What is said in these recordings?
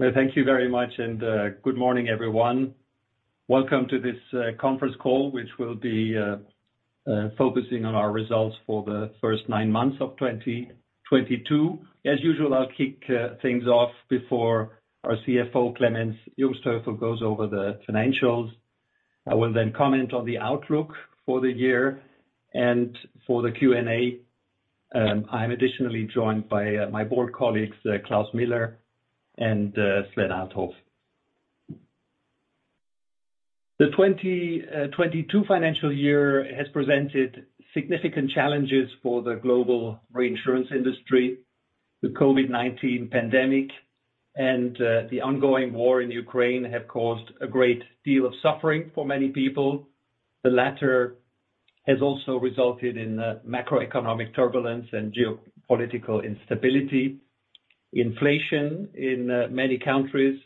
Well, thank you very much and good morning everyone. Welcome to this conference call, which will be focusing on our results for the first nine months of 2022. As usual, I'll kick things off before our CFO, Clemens Jungsthöfel, goes over the financials. I will then comment on the outlook for the year and for the Q&A. I'm additionally joined by my board colleagues, Klaus Wilhelm and Sven Althoff. The 2022 financial year has presented significant challenges for the global reinsurance industry. The COVID-19 pandemic and the ongoing war in Ukraine have caused a great deal of suffering for many people. The latter has also resulted in macroeconomic turbulence and geopolitical instability. Inflation in many countries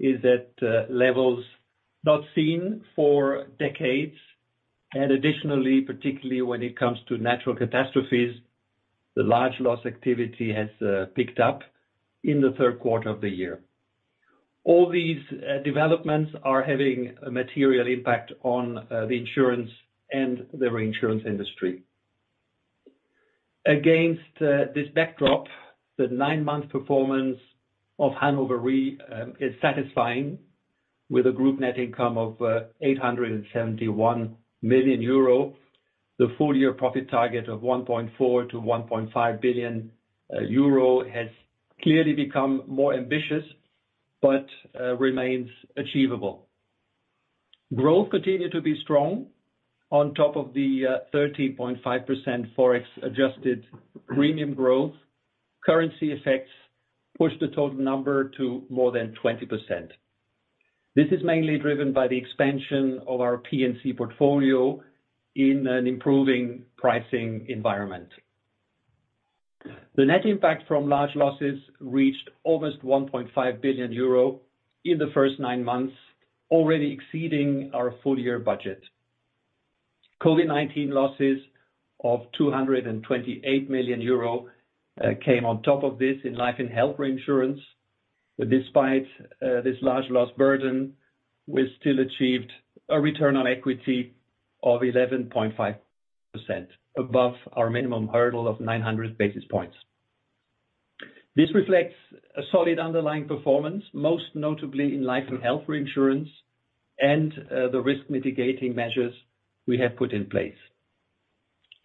is at levels not seen for decades. Additionally, particularly when it comes to natural catastrophes, the large loss activity has picked up in the third quarter of the year. All these developments are having a material impact on the insurance and the reinsurance industry. Against this backdrop, the nine-month performance of Hannover Re is satisfying with a group net income of 871 million euro. The full year profit target of 1.4 billion-1.5 billion euro has clearly become more ambitious, but remains achievable. Growth continued to be strong on top of the 13.5% Forex adjusted premium growth. Currency effects pushed the total number to more than 20%. This is mainly driven by the expansion of our P&C portfolio in an improving pricing environment. The net impact from large losses reached almost 1.5 billion euro in the first nine months, already exceeding our full year budget. COVID-19 losses of 228 million euro came on top of this in life and health reinsurance. Despite this large loss burden, we still achieved a return on equity of 11.5% above our minimum hurdle of 900 basis points. This reflects a solid underlying performance, most notably in life and health reinsurance and the risk mitigating measures we have put in place.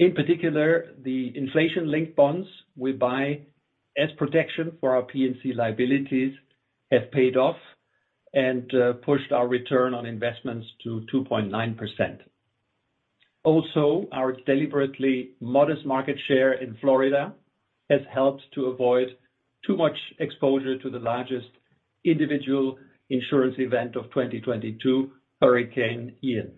In particular, the inflation-linked bonds we buy as protection for our P&C liabilities have paid off and pushed our return on investments to 2.9%. Also, our deliberately modest market share in Florida has helped to avoid too much exposure to the largest individual insurance event of 2022, Hurricane Ian.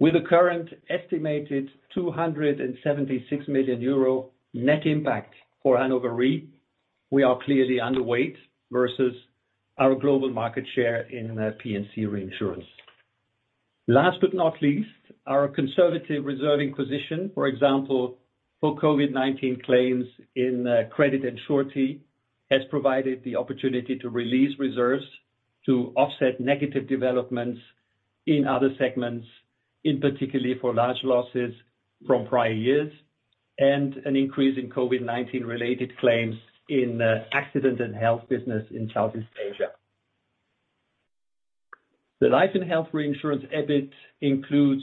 With a current estimated 276 million euro net impact for Hannover Rück, we are clearly underweight versus our global market share in P&C reinsurance. Last but not least, our conservative reserving position, for example, for COVID-19 claims in credit and surety, has provided the opportunity to release reserves to offset negative developments in other segments, in particular for large losses from prior years and an increase in COVID-19 related claims in accident and health business in Southeast Asia. The life and health reinsurance EBITDA includes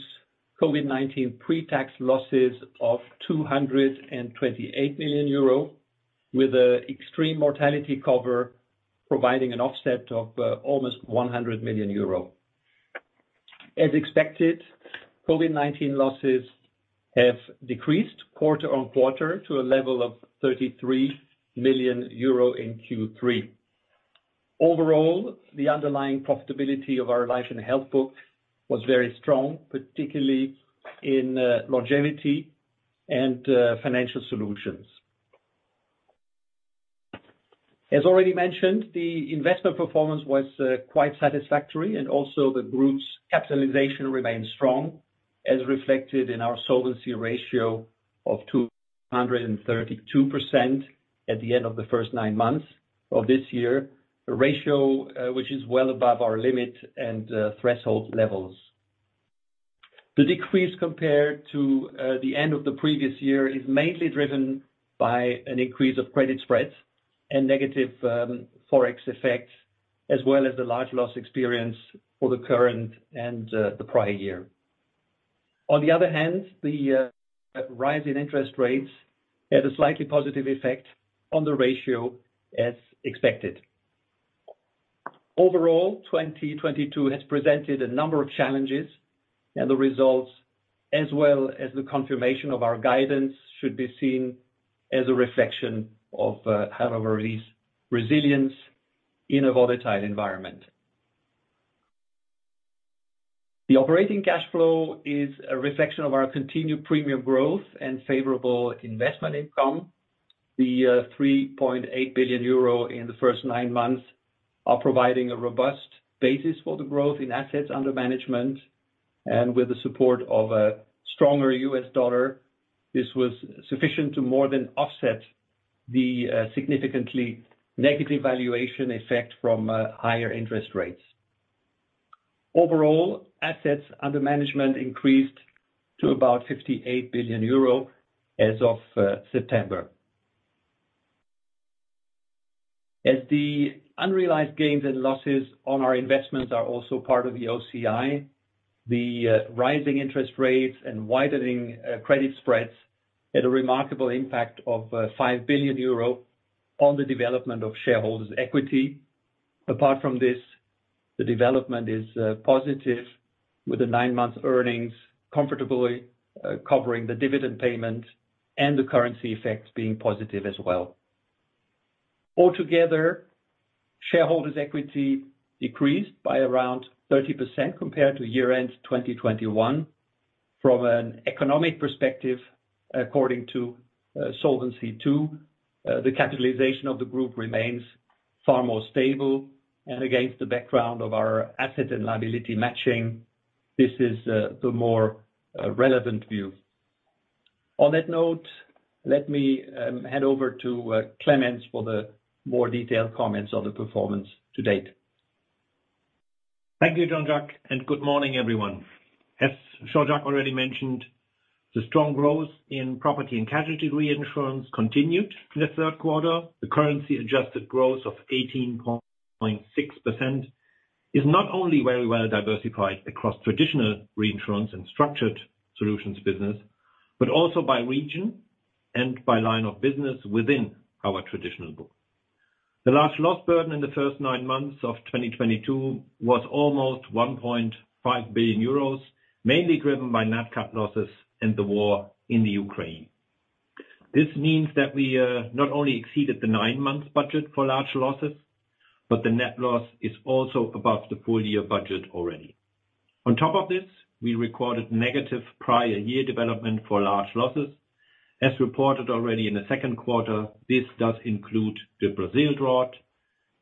COVID-19 pre-tax losses of 228 million euro, with an extreme mortality cover providing an offset of almost 100 million euro. As expected, COVID-19 losses have decreased quarter-over-quarter to a level of 33 million euro in Q3. Overall, the underlying profitability of our life and health book was very strong, particularly in longevity and financial solutions. As already mentioned, the investment performance was quite satisfactory, and also the group's capitalization remains strong as reflected in our solvency ratio of 232% at the end of the first nine months of this year. A ratio which is well above our limit and threshold levels. The decrease compared to the end of the previous year is mainly driven by an increase of credit spreads and negative Forex effects, as well as the large loss experience for the current and the prior year. On the other hand, the rise in interest rates had a slightly positive effect on the ratio as expected. Overall, 2022 has presented a number of challenges, and the results, as well as the confirmation of our guidance, should be seen as a reflection of Hannover Rück's resilience in a volatile environment. The operating cash flow is a reflection of our continued premium growth and favorable investment income. The 3.8 billion euro in the first nine months are providing a robust basis for the growth in assets under management. With the support of a stronger U.S. dollar, this was sufficient to more than offset the significantly negative valuation effect from higher interest rates. Overall, assets under management increased to about 58 billion euro as of September. As the unrealized gains and losses on our investments are also part of the OCI, the rising interest rates and widening credit spreads had a remarkable impact of 5 billion euro on the development of shareholders' equity. Apart from this, the development is positive, with the nine-month earnings comfortably covering the dividend payment and the currency effects being positive as well. Altogether, shareholders' equity decreased by around 30% compared to year-end 2021. From an economic perspective, according to Solvency II, the capitalization of the group remains far more stable. Against the background of our asset and liability matching, this is the more relevant view. On that note, let me hand over to Clemens for the more detailed comments on the performance to date. Thank you, Jean-Jacques, and good morning, everyone. As Jean-Jacques already mentioned, the strong growth in property and casualty reinsurance continued in the third quarter. The currency-adjusted growth of 18.6% is not only very well diversified across traditional reinsurance and structured solutions business, but also by region and by line of business within our traditional book. The large loss burden in the first nine months of 2022 was almost 1.5 billion euros, mainly driven by net cat losses and the war in Ukraine. This means that we not only exceeded the nine-month budget for large losses, but the net loss is also above the full-year budget already. On top of this, we recorded negative prior year development for large losses. As reported already in the second quarter, this does include the Brazil drought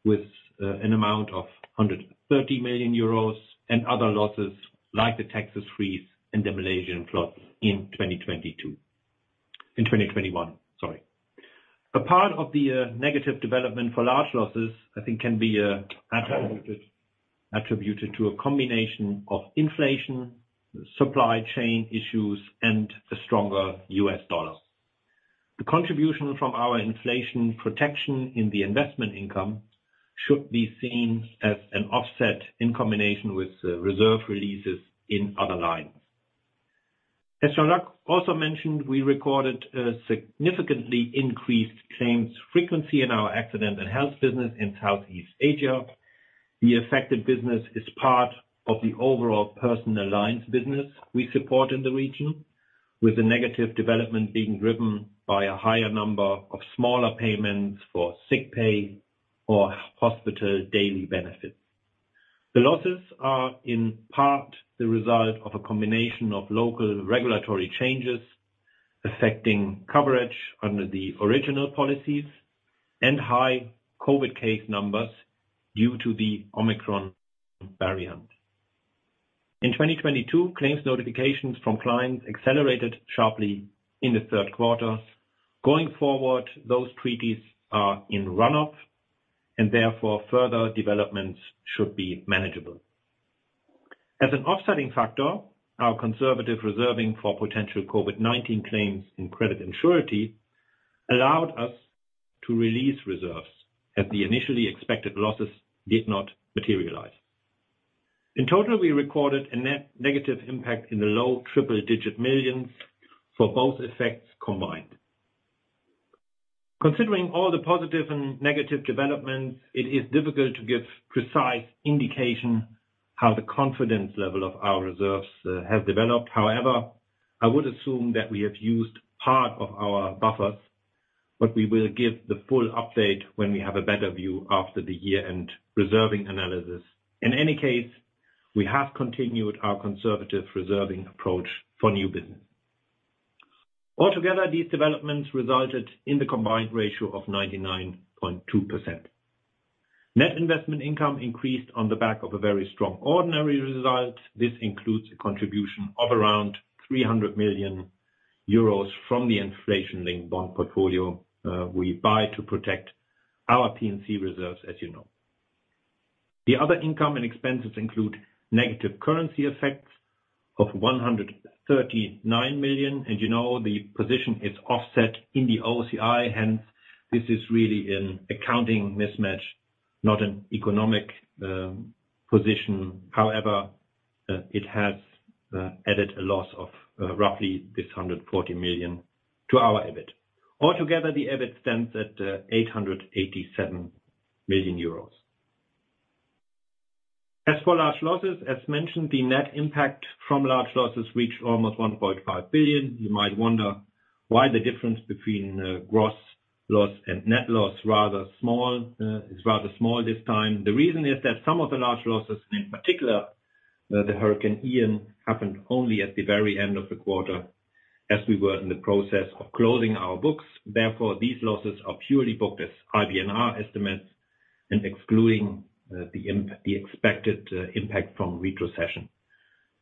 with an amount of 130 million euros and other losses like the Texas winter freeze and the Malaysian floods in 2021. Sorry. A part of the negative development for large losses, I think, can be attributed to a combination of inflation, supply chain issues, and the stronger U.S. dollar. The contribution from our inflation protection in the investment income should be seen as an offset in combination with reserve releases in other lines. As Jean-Jacques also mentioned, we recorded a significantly increased claims frequency in our Accident and Health business in Southeast Asia. The affected business is part of the overall personal lines business we support in the region, with the negative development being driven by a higher number of smaller payments for sick pay or hospital daily benefits. The losses are, in part, the result of a combination of local regulatory changes affecting coverage under the original policies and high COVID-19 case numbers due to the Omicron variant. In 2022, claims notifications from clients accelerated sharply in the third quarter. Going forward, those treaties are in run-off, and therefore, further developments should be manageable. As an offsetting factor, our conservative reserving for potential COVID-19 claims in credit and surety allowed us to release reserves, as the initially expected losses did not materialize. In total, we recorded a net negative impact in the low triple-digit millions for both effects combined. Considering all the positive and negative developments, it is difficult to give precise indication how the confidence level of our reserves have developed. However, I would assume that we have used part of our buffers, but we will give the full update when we have a better view after the year-end reserving analysis. In any case, we have continued our conservative reserving approach for new business. Altogether, these developments resulted in the combined ratio of 99.2%. Net investment income increased on the back of a very strong ordinary result. This includes a contribution of around 300 million euros from the inflation-linked bond portfolio we buy to protect our P&C reserves, as you know. The other income and expenses include negative currency effects of 139 million. You know, the position is offset in the OCI, hence, this is really an accounting mismatch, not an economic position. However, it has added a loss of roughly this 340 million to our EBITDA. Altogether, the EBITDA stands at 887 million euros. As for large losses, as mentioned, the net impact from large losses reached almost 1.5 billion. You might wonder why the difference between gross loss and net loss, rather small, is rather small this time. The reason is that some of the large losses, in particular, the Hurricane Ian, happened only at the very end of the quarter as we were in the process of closing our books. Therefore, these losses are purely booked as IBNR estimates. Excluding the expected impact from retrocession.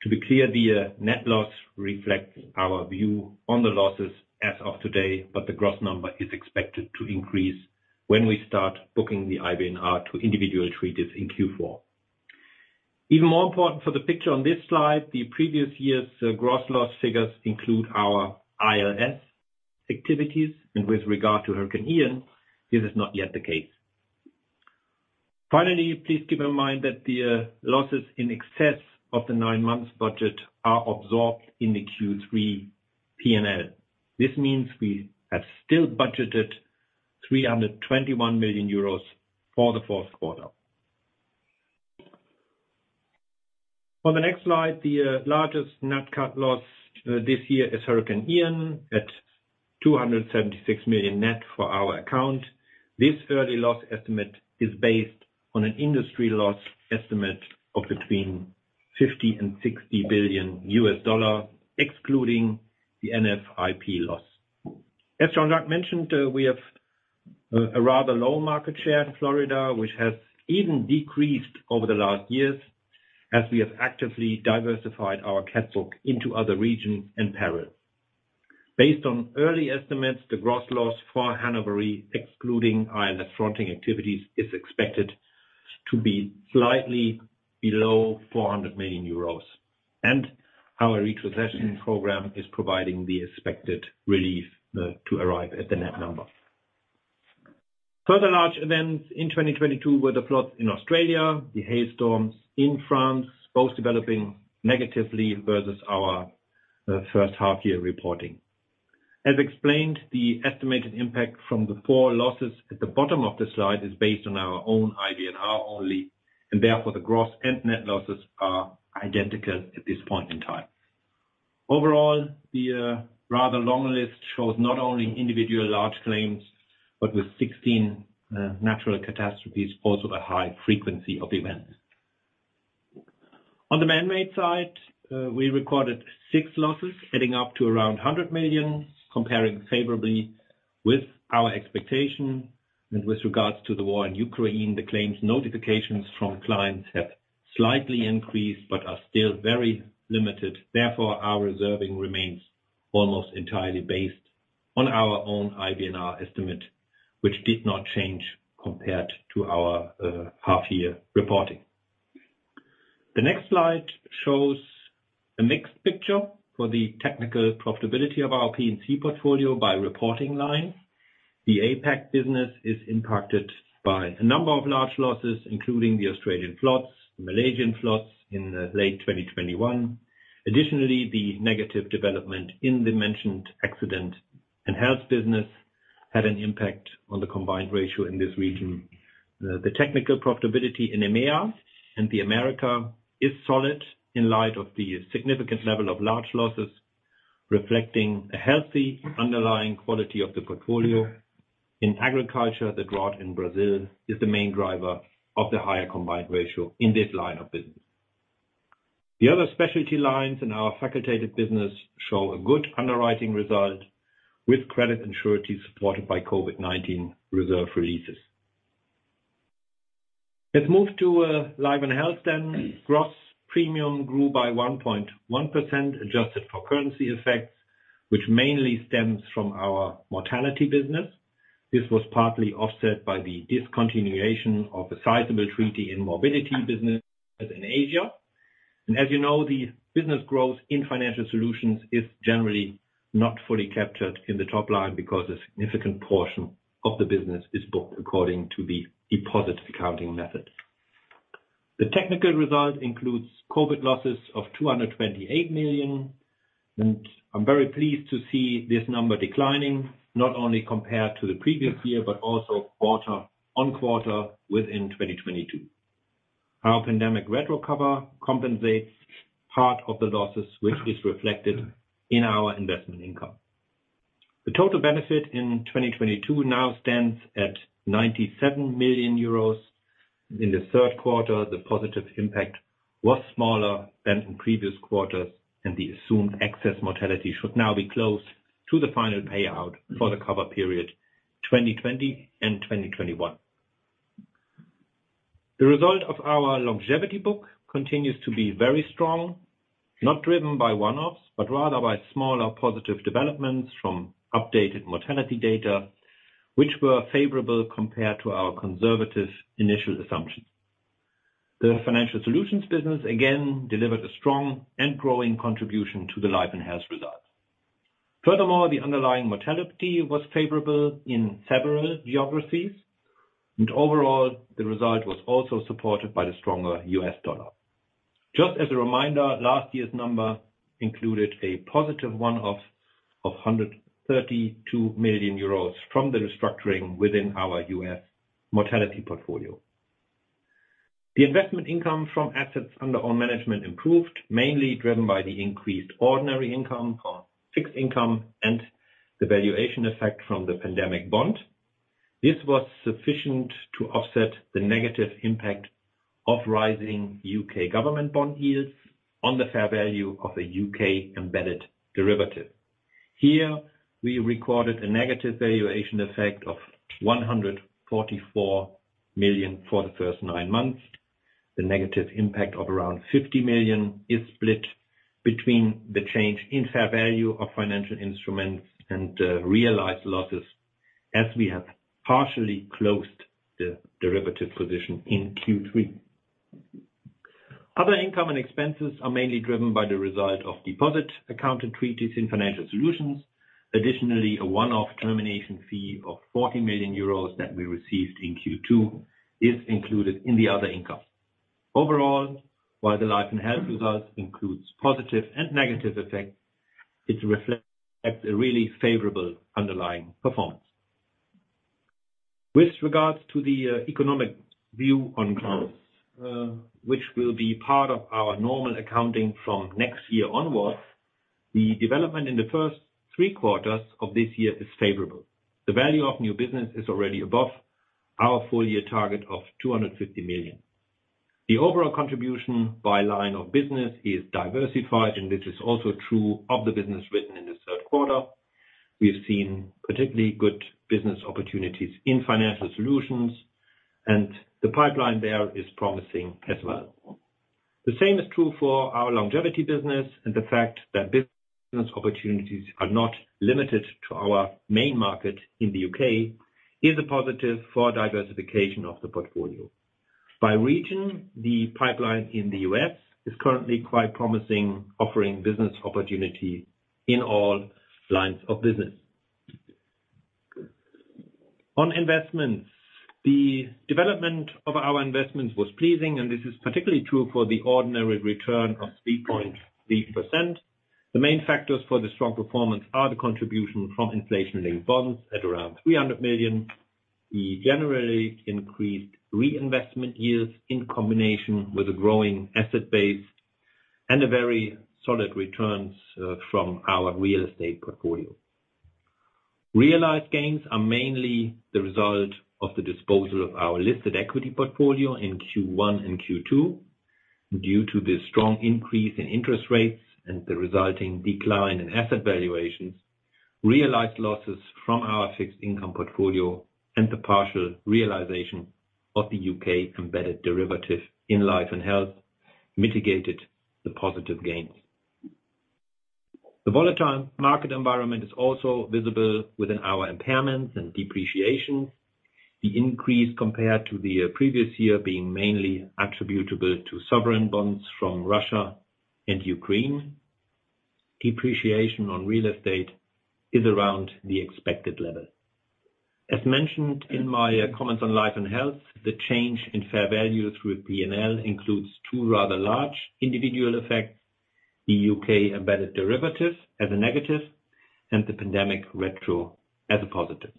To be clear, the net loss reflects our view on the losses as of today, but the gross number is expected to increase when we start booking the IBNR to individual treaties in Q4. Even more important for the picture on this slide, the previous year's gross loss figures include our ILS activities, and with regard to Hurricane Ian, this is not yet the case. Finally, please keep in mind that the losses in excess of the nine months budget are absorbed in the Q3 P&L. This means we have still budgeted 321 million euros for the fourth quarter. On the next slide, the largest net cat loss this year is Hurricane Ian at 276 million net for our account. This early loss estimate is based on an industry loss estimate of between $50 billion and $60 billion, excluding the NFIP loss. As Jean-Jacques mentioned, we have a rather low market share in Florida, which has even decreased over the last years as we have actively diversified our cat book into other regions and perils. Based on early estimates, the gross loss for Hannover, excluding ILS fronting activities, is expected to be slightly below 400 million euros. Our retrocession program is providing the expected relief to arrive at the net number. Further large events in 2022 were the floods in Australia, the hailstorms in France, both developing negatively versus our first half year reporting. As explained, the estimated impact from the four losses at the bottom of the slide is based on our own IBNR only, and therefore the gross and net losses are identical at this point in time. Overall, the rather long list shows not only individual large claims, but with 16 natural catastrophes, also the high frequency of events. On the manmade side, we recorded six losses adding up to around 100 million, comparing favorably with our expectation. With regards to the war in Ukraine, the claims notifications from clients have slightly increased, but are still very limited. Therefore, our reserving remains almost entirely based on our own IBNR estimate, which did not change compared to our half year reporting. The next slide shows a mixed picture for the technical profitability of our P&C portfolio by reporting line. The APAC business is impacted by a number of large losses, including the Australian floods, Malaysian floods in late 2021. Additionally, the negative development in the mentioned Accident and Health business had an impact on the combined ratio in this region. The technical profitability in EMEA and the Americas is solid in light of the significant level of large losses, reflecting a healthy underlying quality of the portfolio. In agriculture, the drought in Brazil is the main driver of the higher combined ratio in this line of business. The other specialty lines in our facultative business show a good underwriting result with credit and surety supported by COVID-19 reserve releases. Let's move to life and health then. Gross premium grew by 1.1% adjusted for currency effects, which mainly stems from our mortality business. This was partly offset by the discontinuation of a sizable treaty in morbidity business as in Asia. As you know, the business growth in Financial Solutions is generally not fully captured in the top line because a significant portion of the business is booked according to the deposit accounting method. The technical result includes COVID losses of 228 million, and I'm very pleased to see this number declining, not only compared to the previous year, but also quarter-on-quarter within 2022. Our pandemic retro cover compensates part of the losses, which is reflected in our investment income. The total benefit in 2022 now stands at 97 million euros. In the third quarter, the positive impact was smaller than in previous quarters, and the assumed excess mortality should now be close to the final payout for the cover period 2020 and 2021. The result of our longevity book continues to be very strong, not driven by one-offs, but rather by smaller positive developments from updated mortality data, which were favorable compared to our conservative initial assumptions. The financial solutions business again delivered a strong and growing contribution to the life and health results. Furthermore, the underlying mortality was favorable in several geographies, and overall, the result was also supported by the stronger US dollar. Just as a reminder, last year's number included a positive one-off of 132 million euros from the restructuring within our U.S. Mortality portfolio. The investment income from assets under our management improved, mainly driven by the increased ordinary income from fixed income and the valuation effect from the pandemic bond. This was sufficient to offset the negative impact of rising U.K. government bond yields on the fair value of the UK-embedded derivative. Here, we recorded a negative valuation effect of 144 million for the first nine months. The negative impact of around 50 million is split between the change in fair value of financial instruments and realized losses, as we have partially closed the derivative position in Q3. Other income and expenses are mainly driven by the result of deposit accounting and treaties in Financial Solutions. Additionally, a one-off termination fee of 40 million euros that we received in Q2 is included in the other income. Overall, while the life and health results includes positive and negative effects, it reflects a really favorable underlying performance. With regards to the economic view on clients, which will be part of our normal accounting from next year onwards, the development in the first three quarters of this year is favorable. The value of new business is already above our full year target of 250 million. The overall contribution by line of business is diversified, and this is also true of the business written in this third quarter. We have seen particularly good business opportunities in Financial Solutions, and the pipeline there is promising as well. The same is true for our longevity business, and the fact that business opportunities are not limited to our main market in the U.K. is a positive for diversification of the portfolio. By region, the pipeline in the U.S. is currently quite promising, offering business opportunity in all lines of business. On investments, the development of our investments was pleasing, and this is particularly true for the ordinary return of 3.3%. The main factors for the strong performance are the contribution from inflation-linked bonds at around 300 million. We generally increased reinvestment years in combination with a growing asset base and a very solid returns from our real estate portfolio. Realized gains are mainly the result of the disposal of our listed equity portfolio in Q1 and Q2. Due to the strong increase in interest rates and the resulting decline in asset valuations, realized losses from our fixed income portfolio and the partial realization of the UK-embedded derivative in life and health mitigated the positive gains. The volatile market environment is also visible within our impairments and depreciation. The increase compared to the previous year being mainly attributable to sovereign bonds from Russia and Ukraine. Depreciation on real estate is around the expected level. As mentioned in my comments on life and health, the change in fair value through P&L includes two rather large individual effects, the U.K.-embedded derivative as a negative, and the pandemic retro as a positive.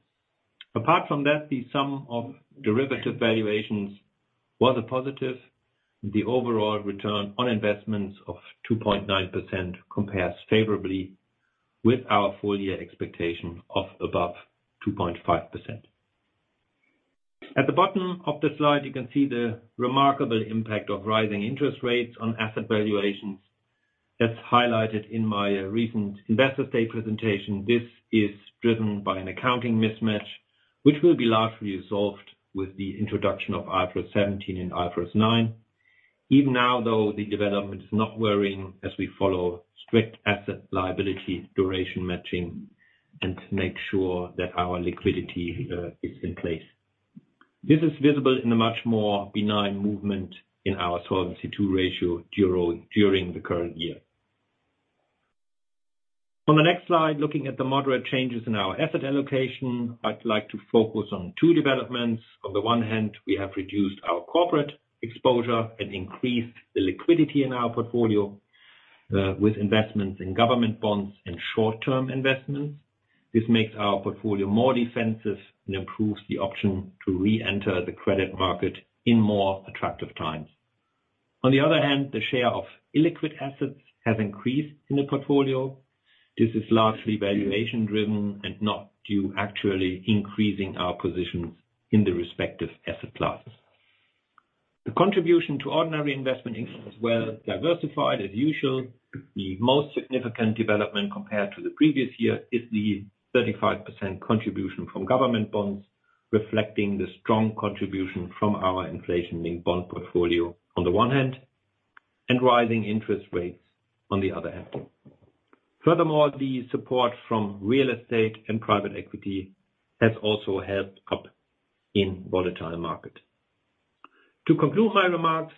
Apart from that, the sum of derivative valuations was a positive. The overall return on investments of 2.9% compares favorably with our full year expectation of above 2.5%. At the bottom of the slide, you can see the remarkable impact of rising interest rates on asset valuations. That's highlighted in my recent investor day presentation. This is driven by an accounting mismatch, which will be largely resolved with the introduction of IFRS 17 and IFRS 9. Even now, though, the development is not worrying as we follow strict asset liability duration matching and make sure that our liquidity is in place. This is visible in a much more benign movement in our Solvency II ratio during the current year. On the next slide, looking at the moderate changes in our asset allocation, I'd like to focus on two developments. On the one hand, we have reduced our corporate exposure and increased the liquidity in our portfolio with investments in government bonds and short-term investments. This makes our portfolio more defensive and improves the option to re-enter the credit market in more attractive times. On the other hand, the share of illiquid assets has increased in the portfolio. This is largely valuation driven and not due to actually increasing our positions in the respective asset classes. The contribution to ordinary investment income is well diversified as usual. The most significant development compared to the previous year is the 35% contribution from government bonds, reflecting the strong contribution from our inflation-linked bond portfolio on the one hand, and rising interest rates on the other hand. Furthermore, the support from real estate and private equity has also helped us in volatile market. To conclude my remarks,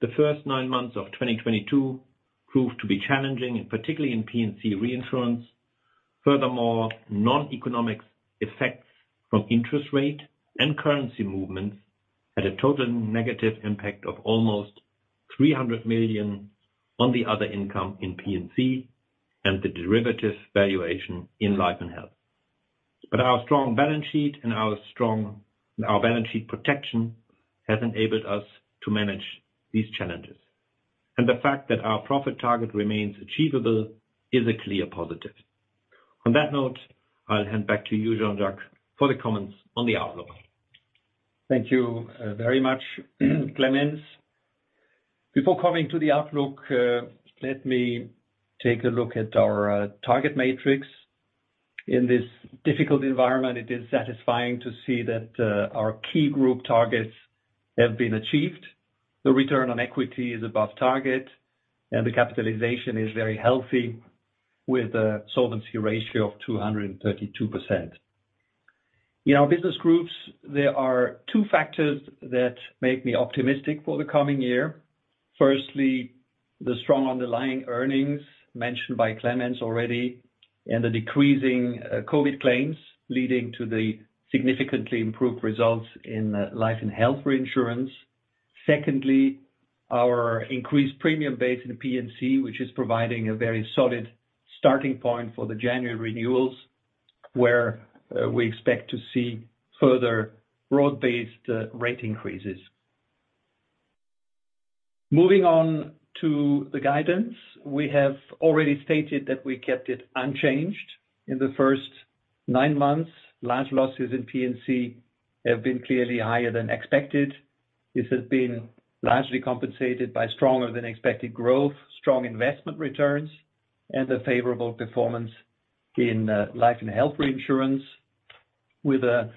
the first nine months of 2022 proved to be challenging, and particularly in P&C reinsurance. Furthermore, non-economic effects from interest rate and currency movements had a total negative impact of almost 300 million on the other income in P&C, and the derivative valuation in life and health. But our strong balance sheet and our balance sheet protection has enabled us to manage these challenges. The fact that our profit target remains achievable is a clear positive. On that note, I'll hand back to you, Jean-Jacques, for the comments on the outlook. Thank you, very much, Clemens. Before coming to the outlook, let me take a look at our target matrix. In this difficult environment, it is satisfying to see that our key group targets have been achieved. The return on equity is above target and the capitalization is very healthy with a solvency ratio of 232%. In our business groups, there are two factors that make me optimistic for the coming year. Firstly, the strong underlying earnings mentioned by Clemens already, and the decreasing COVID claims leading to the significantly improved results in life and health reinsurance. Secondly, our increased premium base in P&C, which is providing a very solid starting point for the January renewals, where we expect to see further broad-based rate increases. Moving on to the guidance. We have already stated that we kept it unchanged in the first nine months. Large losses in P&C have been clearly higher than expected. This has been largely compensated by stronger than expected growth, strong investment returns, and a favorable performance in life and health reinsurance. With a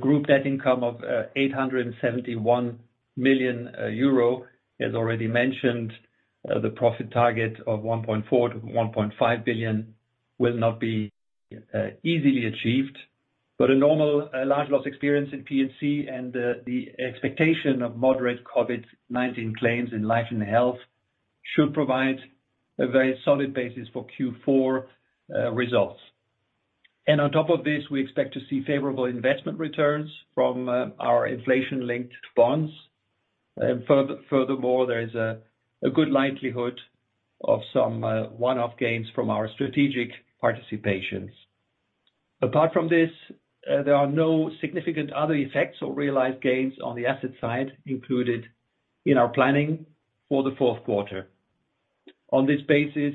group net income of 871 million euro, as already mentioned, the profit target of 1.4 billion-1.5 billion will not be easily achieved. A normal large loss experience in P&C and the expectation of moderate COVID-19 claims in life and health should provide a very solid basis for Q4 results. On top of this, we expect to see favorable investment returns from our inflation-linked bonds. Furthermore, there is a good likelihood of some one-off gains from our strategic participations. Apart from this, there are no significant other effects or realized gains on the asset side included in our planning for the fourth quarter. On this basis,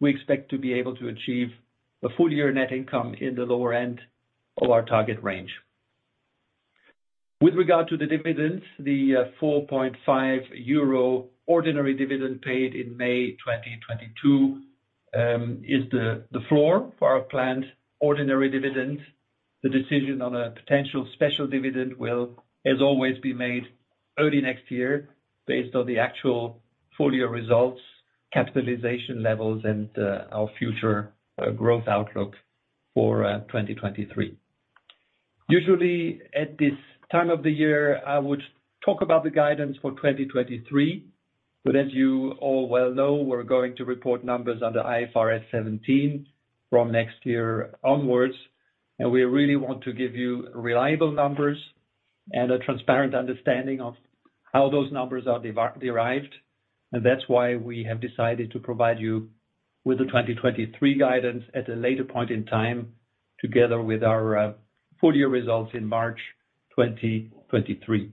we expect to be able to achieve a full-year net income in the lower end of our target range. With regard to the dividends, the 4.5 euro ordinary dividend paid in May 2022 is the floor for our planned ordinary dividend. The decision on a potential special dividend will, as always, be made early next year based on the actual full-year results, capitalization levels, and our future growth outlook for 2023. Usually at this time of the year, I would talk about the guidance for 2023, but as you all well know, we're going to report numbers under IFRS 17 from next year onwards. We really want to give you reliable numbers and a transparent understanding of how those numbers are derived. That's why we have decided to provide you with the 2023 guidance at a later point in time, together with our full-year results in March 2023.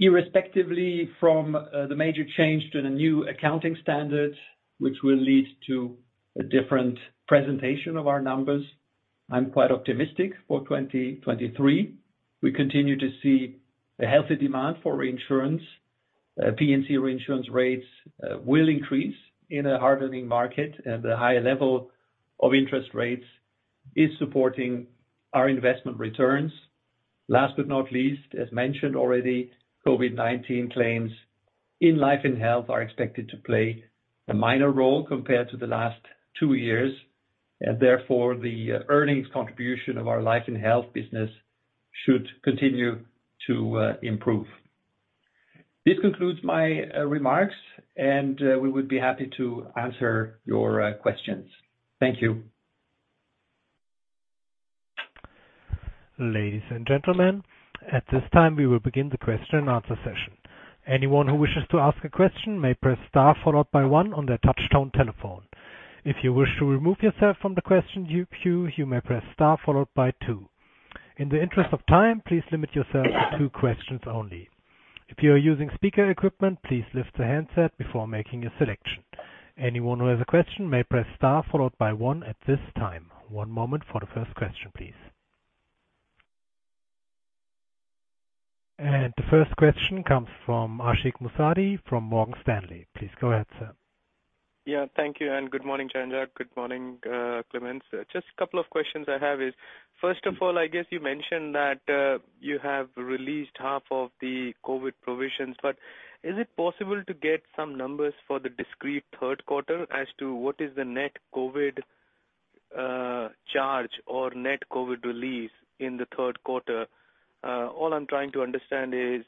Irrespective of the major change to the new accounting standards, which will lead to a different presentation of our numbers, I'm quite optimistic for 2023. We continue to see a healthy demand for reinsurance. P&C reinsurance rates will increase in a hardening market, and the higher level of interest rates is supporting our investment returns. Last but not least, as mentioned already, COVID-19 claims in life and health are expected to play a minor role compared to the last two years, and therefore, the earnings contribution of our life and health business should continue to improve. This concludes my remarks, and we would be happy to answer your questions. Thank you. Ladies and gentlemen, at this time, we will begin the question-and-answer session. Anyone who wishes to ask a question may press star followed by one on their touchtone telephone. If you wish to remove yourself from the question queue, you may press star followed by two. In the interest of time, please limit yourself to two questions only. If you are using speaker equipment, please lift the handset before making a selection. Anyone who has a question may press star followed by one at this time. One moment for the first question, please. The first question comes from Ashik Musaddi from Morgan Stanley. Please go ahead, sir. Yeah, thank you, and good morning, Jean-Jacques Henchoz. Good morning, Clemens. Just a couple of questions I have is, first of all, I guess you mentioned that you have released half of the COVID provisions, but is it possible to get some numbers for the discrete third quarter as to what is the net COVID charge or net COVID release in the third quarter? All I'm trying to understand is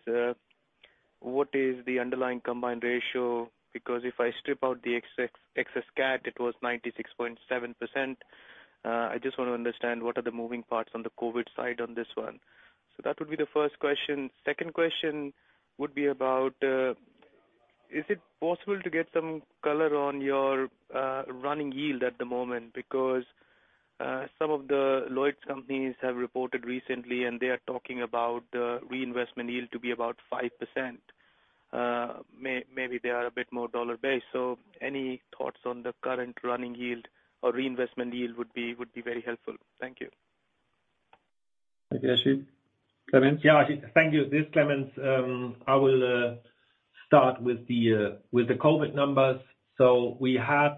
what is the underlying combined ratio, because if I strip out the excess cat, it was 96.7%. I just want to understand what are the moving parts on the COVID side on this one. So that would be the first question. Second question would be about, is it possible to get some color on your running yield at the moment? Because some of the Lloyd's companies have reported recently, and they are talking about reinvestment yield to be about 5%. Maybe they are a bit more dollar-based. Any thoughts on the current running yield or reinvestment yield would be very helpful. Thank you. Thank you, Ashik. Clemens? Yeah. Thank you. This is Clemens. I will start with the COVID numbers. We had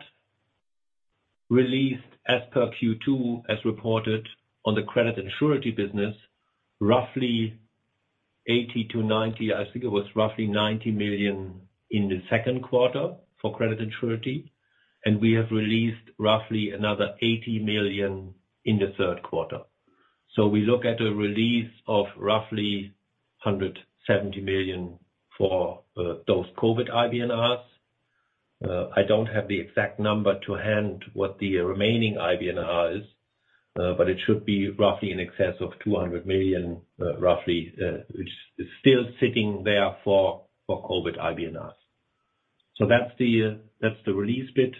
released as per Q2 as reported on the credit and surety business, roughly 80 million-90 million. I think it was roughly 90 million in the second quarter for credit and surety, and we have released roughly another 80 million in the third quarter. We look at a release of roughly 170 million for those COVID IBNRs. I don't have the exact number to hand what the remaining IBNR is, but it should be roughly in excess of 200 million, which is still sitting there for COVID IBNRs. That's the release bit.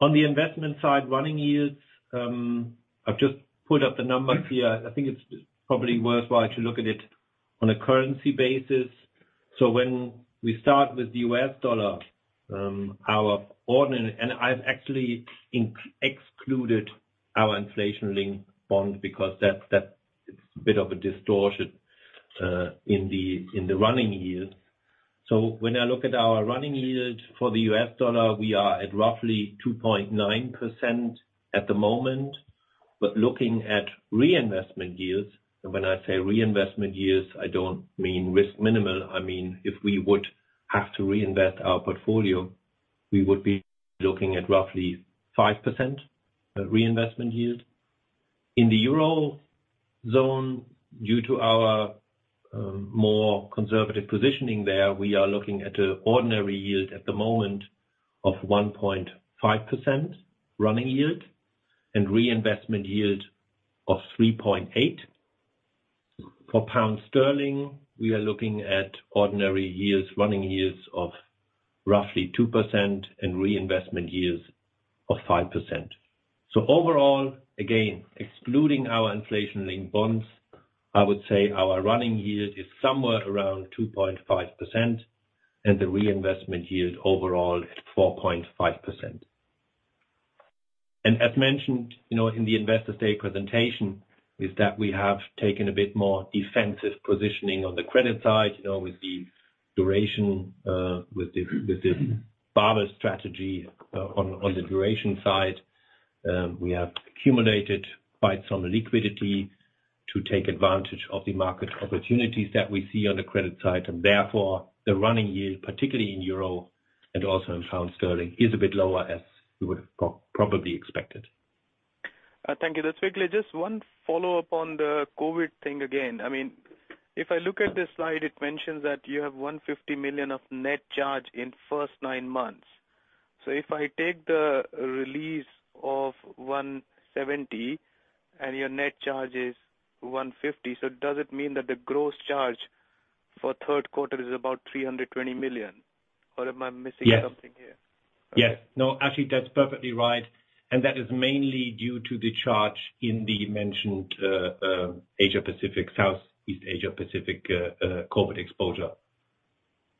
On the investment side, running yields, I've just pulled up the numbers here. I think it's probably worthwhile to look at it on a currency basis. When we start with the U.S. dollar, I've actually excluded our inflation-linked bond because that's a bit of a distortion in the running yield. When I look at our running yield for the U.S. dollar, we are at roughly 2.9% at the moment. Looking at reinvestment yields, and when I say reinvestment yields, I don't mean risk minimal. I mean, if we would have to reinvest our portfolio, we would be looking at roughly 5% reinvestment yield. In the eurozone, due to our more conservative positioning there, we are looking at an ordinary yield at the moment of 1.5% running yield and reinvestment yield of 3.8%. For pound sterling, we are looking at ordinary yields, running yields of roughly 2% and reinvestment yields of 5%. Overall, again, excluding our inflation-linked bonds, I would say our running yield is somewhere around 2.5%, and the reinvestment yield overall at 4.5%. As mentioned, you know, in the investor's day presentation, is that we have taken a bit more defensive positioning on the credit side, you know, with the duration, with the barbell strategy on the duration side. We have accumulated quite some liquidity to take advantage of the market opportunities that we see on the credit side. Therefore, the running yield, particularly in Euro and also in pound sterling, is a bit lower, as you would have probably expected. Thank you. That's clear. Just one follow-up on the COVID thing again. I mean, if I look at the slide, it mentions that you have 150 million of net charge in first nine months. If I take the release of 170 million and your net charge is 150 million, does it mean that the gross charge for third quarter is about 320 million, or am I missing something here? Yes. No, actually, that's perfectly right. That is mainly due to the charge in the mentioned Southeast Asia-Pacific COVID exposure.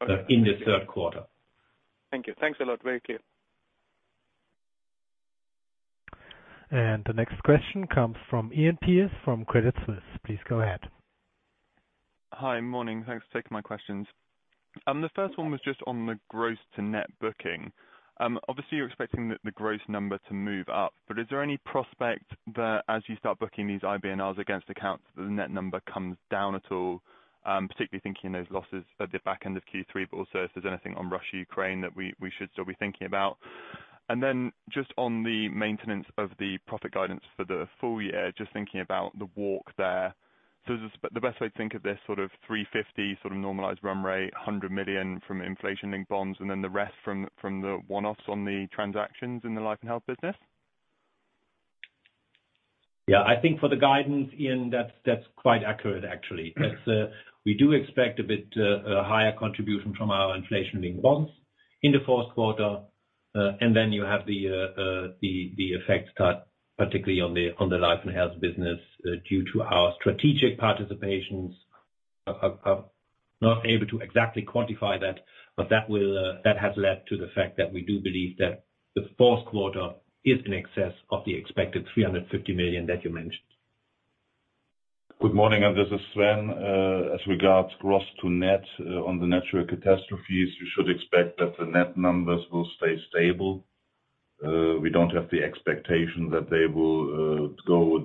Okay. in the third quarter. Thank you. Thanks a lot. Very clear. The next question comes from Iain Pearce from Credit Suisse. Please go ahead. Hi. Morning. Thanks for taking my questions. The first one was just on the gross to net booking. Obviously, you're expecting the gross number to move up, but is there any prospect that as you start booking these IBNRs against accounts, the net number comes down at all, particularly thinking those losses at the back end of Q3, but also if there's anything on Russia, Ukraine that we should still be thinking about? Then just on the maintenance of the profit guidance for the full year, just thinking about the walk there. The best way to think of this sort of 350 million normalized run rate, 100 million from inflation-linked bonds, and then the rest from the one-offs on the transactions in the life and health business? Yeah. I think for the guidance, Ian, that's quite accurate, actually. That we do expect a bit higher contribution from our inflation-linked bonds in the fourth quarter. You have the FX effects, particularly on the life and health business, due to our strategic participations. I'm not able to exactly quantify that, but that has led to the fact that we do believe that the fourth quarter is in excess of the expected 350 million that you mentioned. Good morning. This is Sven. As regards gross to net, on the natural catastrophes, you should expect that the net numbers will stay stable. We don't have the expectation that they will go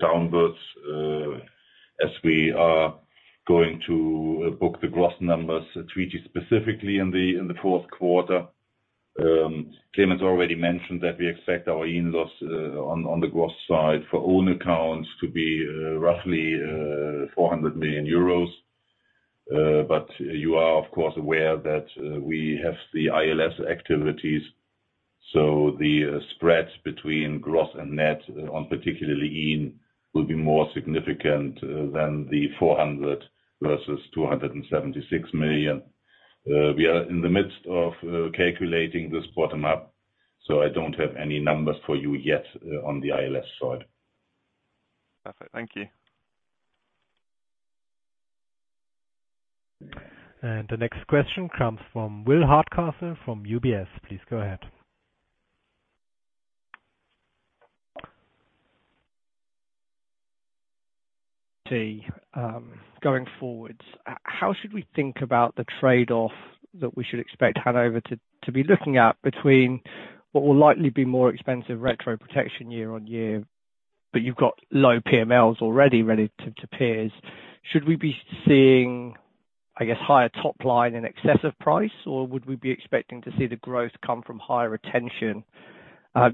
downwards, as we are going to book the gross numbers treaty specifically in the fourth quarter. Clemens already mentioned that we expect our nat loss on the gross side for own accounts to be roughly 400 million euros. But you are, of course, aware that we have the ILS activities, so the spreads between gross and net on particularly nat cat will be more significant than the 400 million versus 276 million. We are in the midst of calculating this bottom up, so I don't have any numbers for you yet on the ILS side. Perfect. Thank you. The next question comes from Will Hardcastle from UBS. Please go ahead. See, going forward, how should we think about the trade-off that we should expect Hannover to be looking at between what will likely be more expensive retro protection year on year, but you've got low PMLs already relative to peers. Should we be seeing, I guess, higher top line in excess of price, or would we be expecting to see the growth come from higher retention?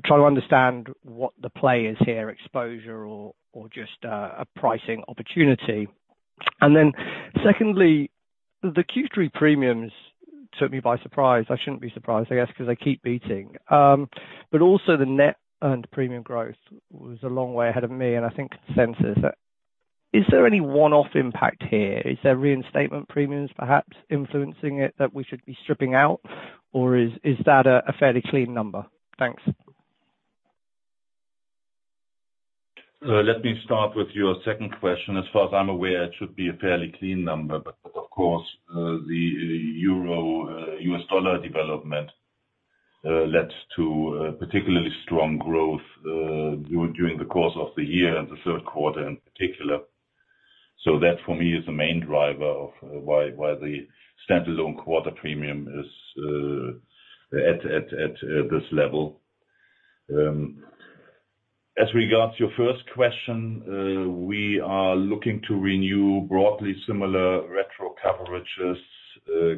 Trying to understand what the play is here, exposure or just a pricing opportunity. Secondly, the Q3 premiums took me by surprise. I shouldn't be surprised, I guess, because they keep beating. Also the net earned premium growth was a long way ahead of me, and the consensus. Is there any one-off impact here? Is there reinstatement premiums perhaps influencing it that we should be stripping out, or is that a fairly clean number? Thanks. Let me start with your second question. As far as I'm aware, it should be a fairly clean number. Of course, the euro-US dollar development led to particularly strong growth during the course of the year and the third quarter in particular. That, for me, is the main driver of why the standalone quarter premium is at this level. As regards to your first question, we are looking to renew broadly similar retro coverages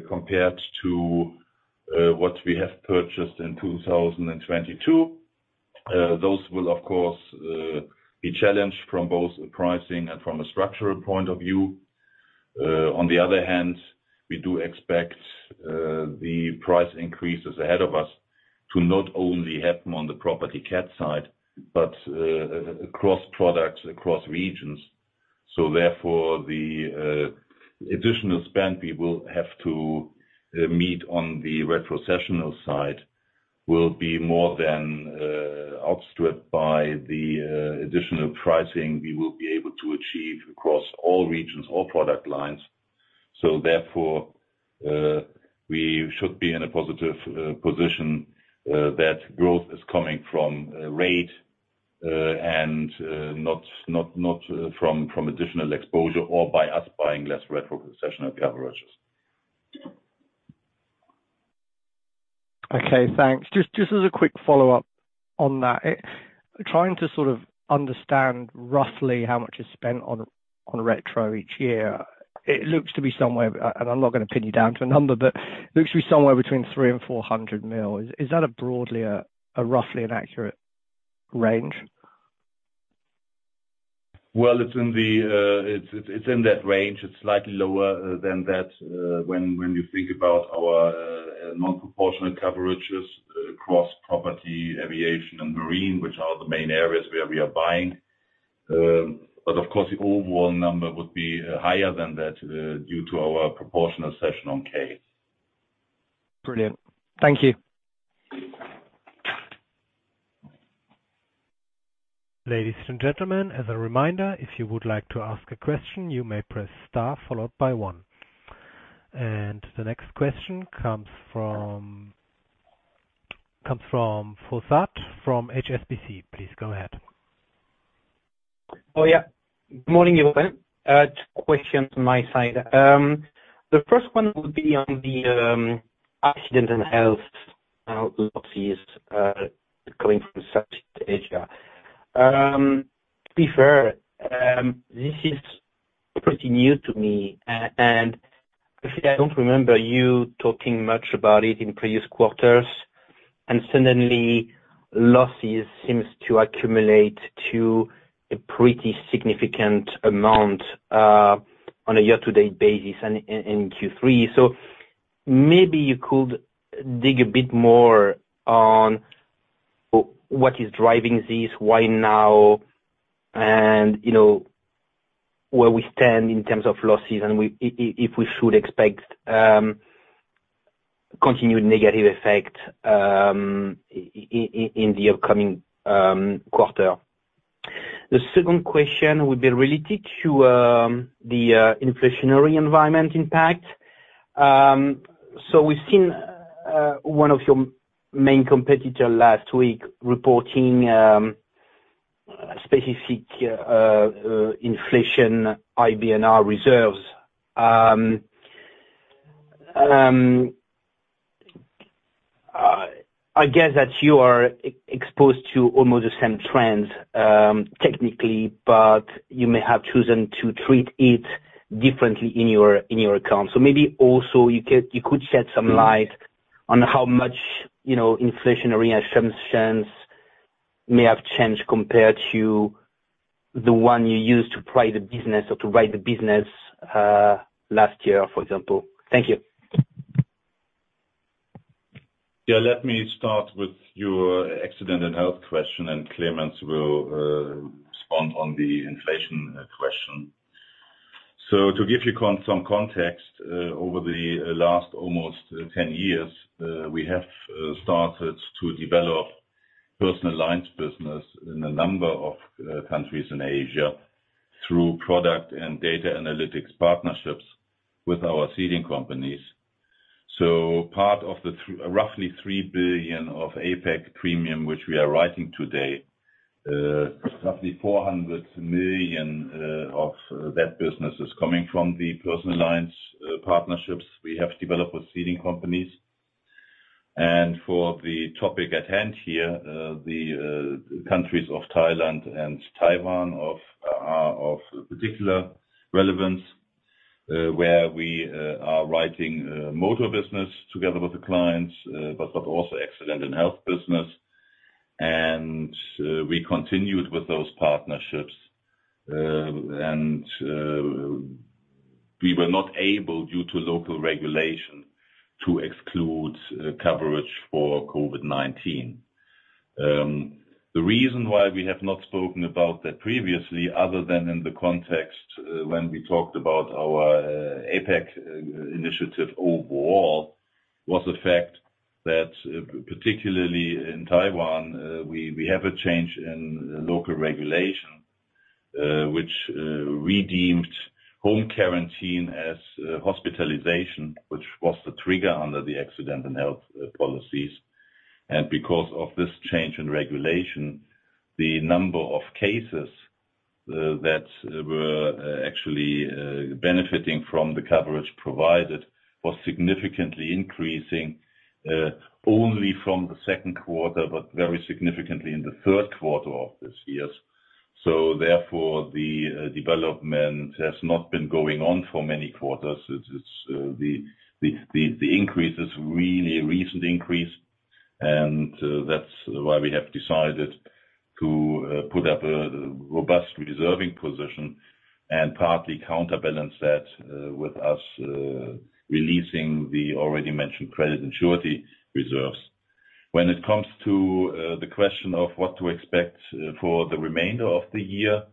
compared to what we have purchased in 2022. Those will of course be challenged from both pricing and from a structural point of view. On the other hand, we do expect the price increases ahead of us to not only happen on the property cat side, but across products, across regions. The additional spend we will have to meet on the retrocessional side will be more than outstripped by the additional pricing we will be able to achieve across all regions, all product lines. We should be in a positive position that growth is coming from rate and not from additional exposure or by us buying less retrocessional coverages. Okay, thanks. Just as a quick follow-up on that. Trying to sort of understand roughly how much is spent on retro each year. It looks to be somewhere, and I'm not gonna pin you down to a number, but looks to be somewhere between 300 million and 400 million. Is that broadly a roughly accurate range? Well, it's in that range. It's slightly lower than that when you think about our non-proportional coverages across property, aviation and marine, which are the main areas where we are buying. Of course, the overall number would be higher than that due to our proportional cession on cat. Brilliant. Thank you. Ladies and gentlemen, as a reminder, if you would like to ask a question, you may press star followed by one. The next question comes from Faizan Lakhani from HSBC. Please go ahead. Oh, yeah. Morning, everyone. Two questions on my side. The first one would be on the Accident and Health losses coming from Southeast Asia. To be fair, this is pretty new to me, and I don't remember you talking much about it in previous quarters. Suddenly, losses seems to accumulate to a pretty significant amount on a year-to-date basis in Q3. Maybe you could dig a bit more on what is driving this, why now, and you know, where we stand in terms of losses, and if we should expect continued negative effect in the upcoming quarter. The second question would be related to the inflationary environment impact. We've seen one of your main competitor last week reporting specific inflation IBNR reserves. I guess that you are exposed to almost the same trends, technically, but you may have chosen to treat it differently in your account. Maybe also you could shed some light on how much, you know, inflationary assumptions may have changed compared to the one you used to price the business or to write the business last year, for example. Thank you. Yeah, let me start with your Accident and Health question, and Clemens Jungsthöfel will respond on the inflation question. To give you some context, over the last almost 10 years, we have started to develop personal lines business in a number of countries in Asia through product and data analytics partnerships with our ceding companies. Part of roughly 3 billion of APAC premium, which we are writing today, roughly 400 million of that business is coming from the personal lines partnerships we have developed with ceding companies. We continued with those partnerships. We were not able, due to local regulation, to exclude coverage for COVID-19. The reason why we have not spoken about that previously, other than in the context when we talked about our APAC initiative overall, was the fact that, particularly in Taiwan, we have a change in local regulation, which redefined home quarantine as hospitalization, which was the trigger under the Accident and Health policies. Because of this change in regulation, the number of cases that were actually benefiting from the coverage provided was significantly increasing only from the second quarter, but very significantly in the third quarter of this year. The development has not been going on for many quarters. It's the increase is really a recent increase, and that's why we have decided to put up a robust reserving position and partly counterbalance that with us releasing the already mentioned credit and surety reserves. When it comes to the question of what to expect for the remainder of the year,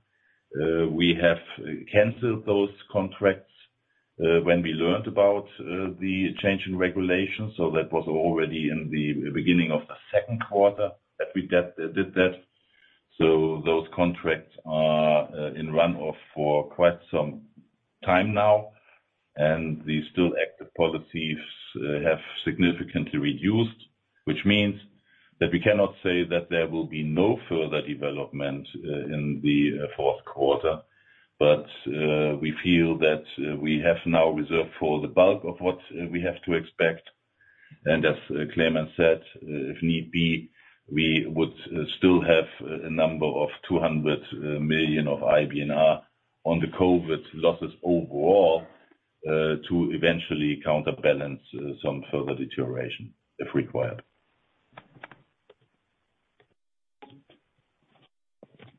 we have canceled those contracts when we learned about the change in regulations. That was already in the beginning of the second quarter that we did that. Those contracts are in run off for quite some time now, and the still active policies have significantly reduced, which means that we cannot say that there will be no further development in the fourth quarter. We feel that we have now reserved for the bulk of what we have to expect. As Clemens said, if need be, we would still have 200 million of IBNR on the COVID losses overall, to eventually counterbalance some further deterioration, if required.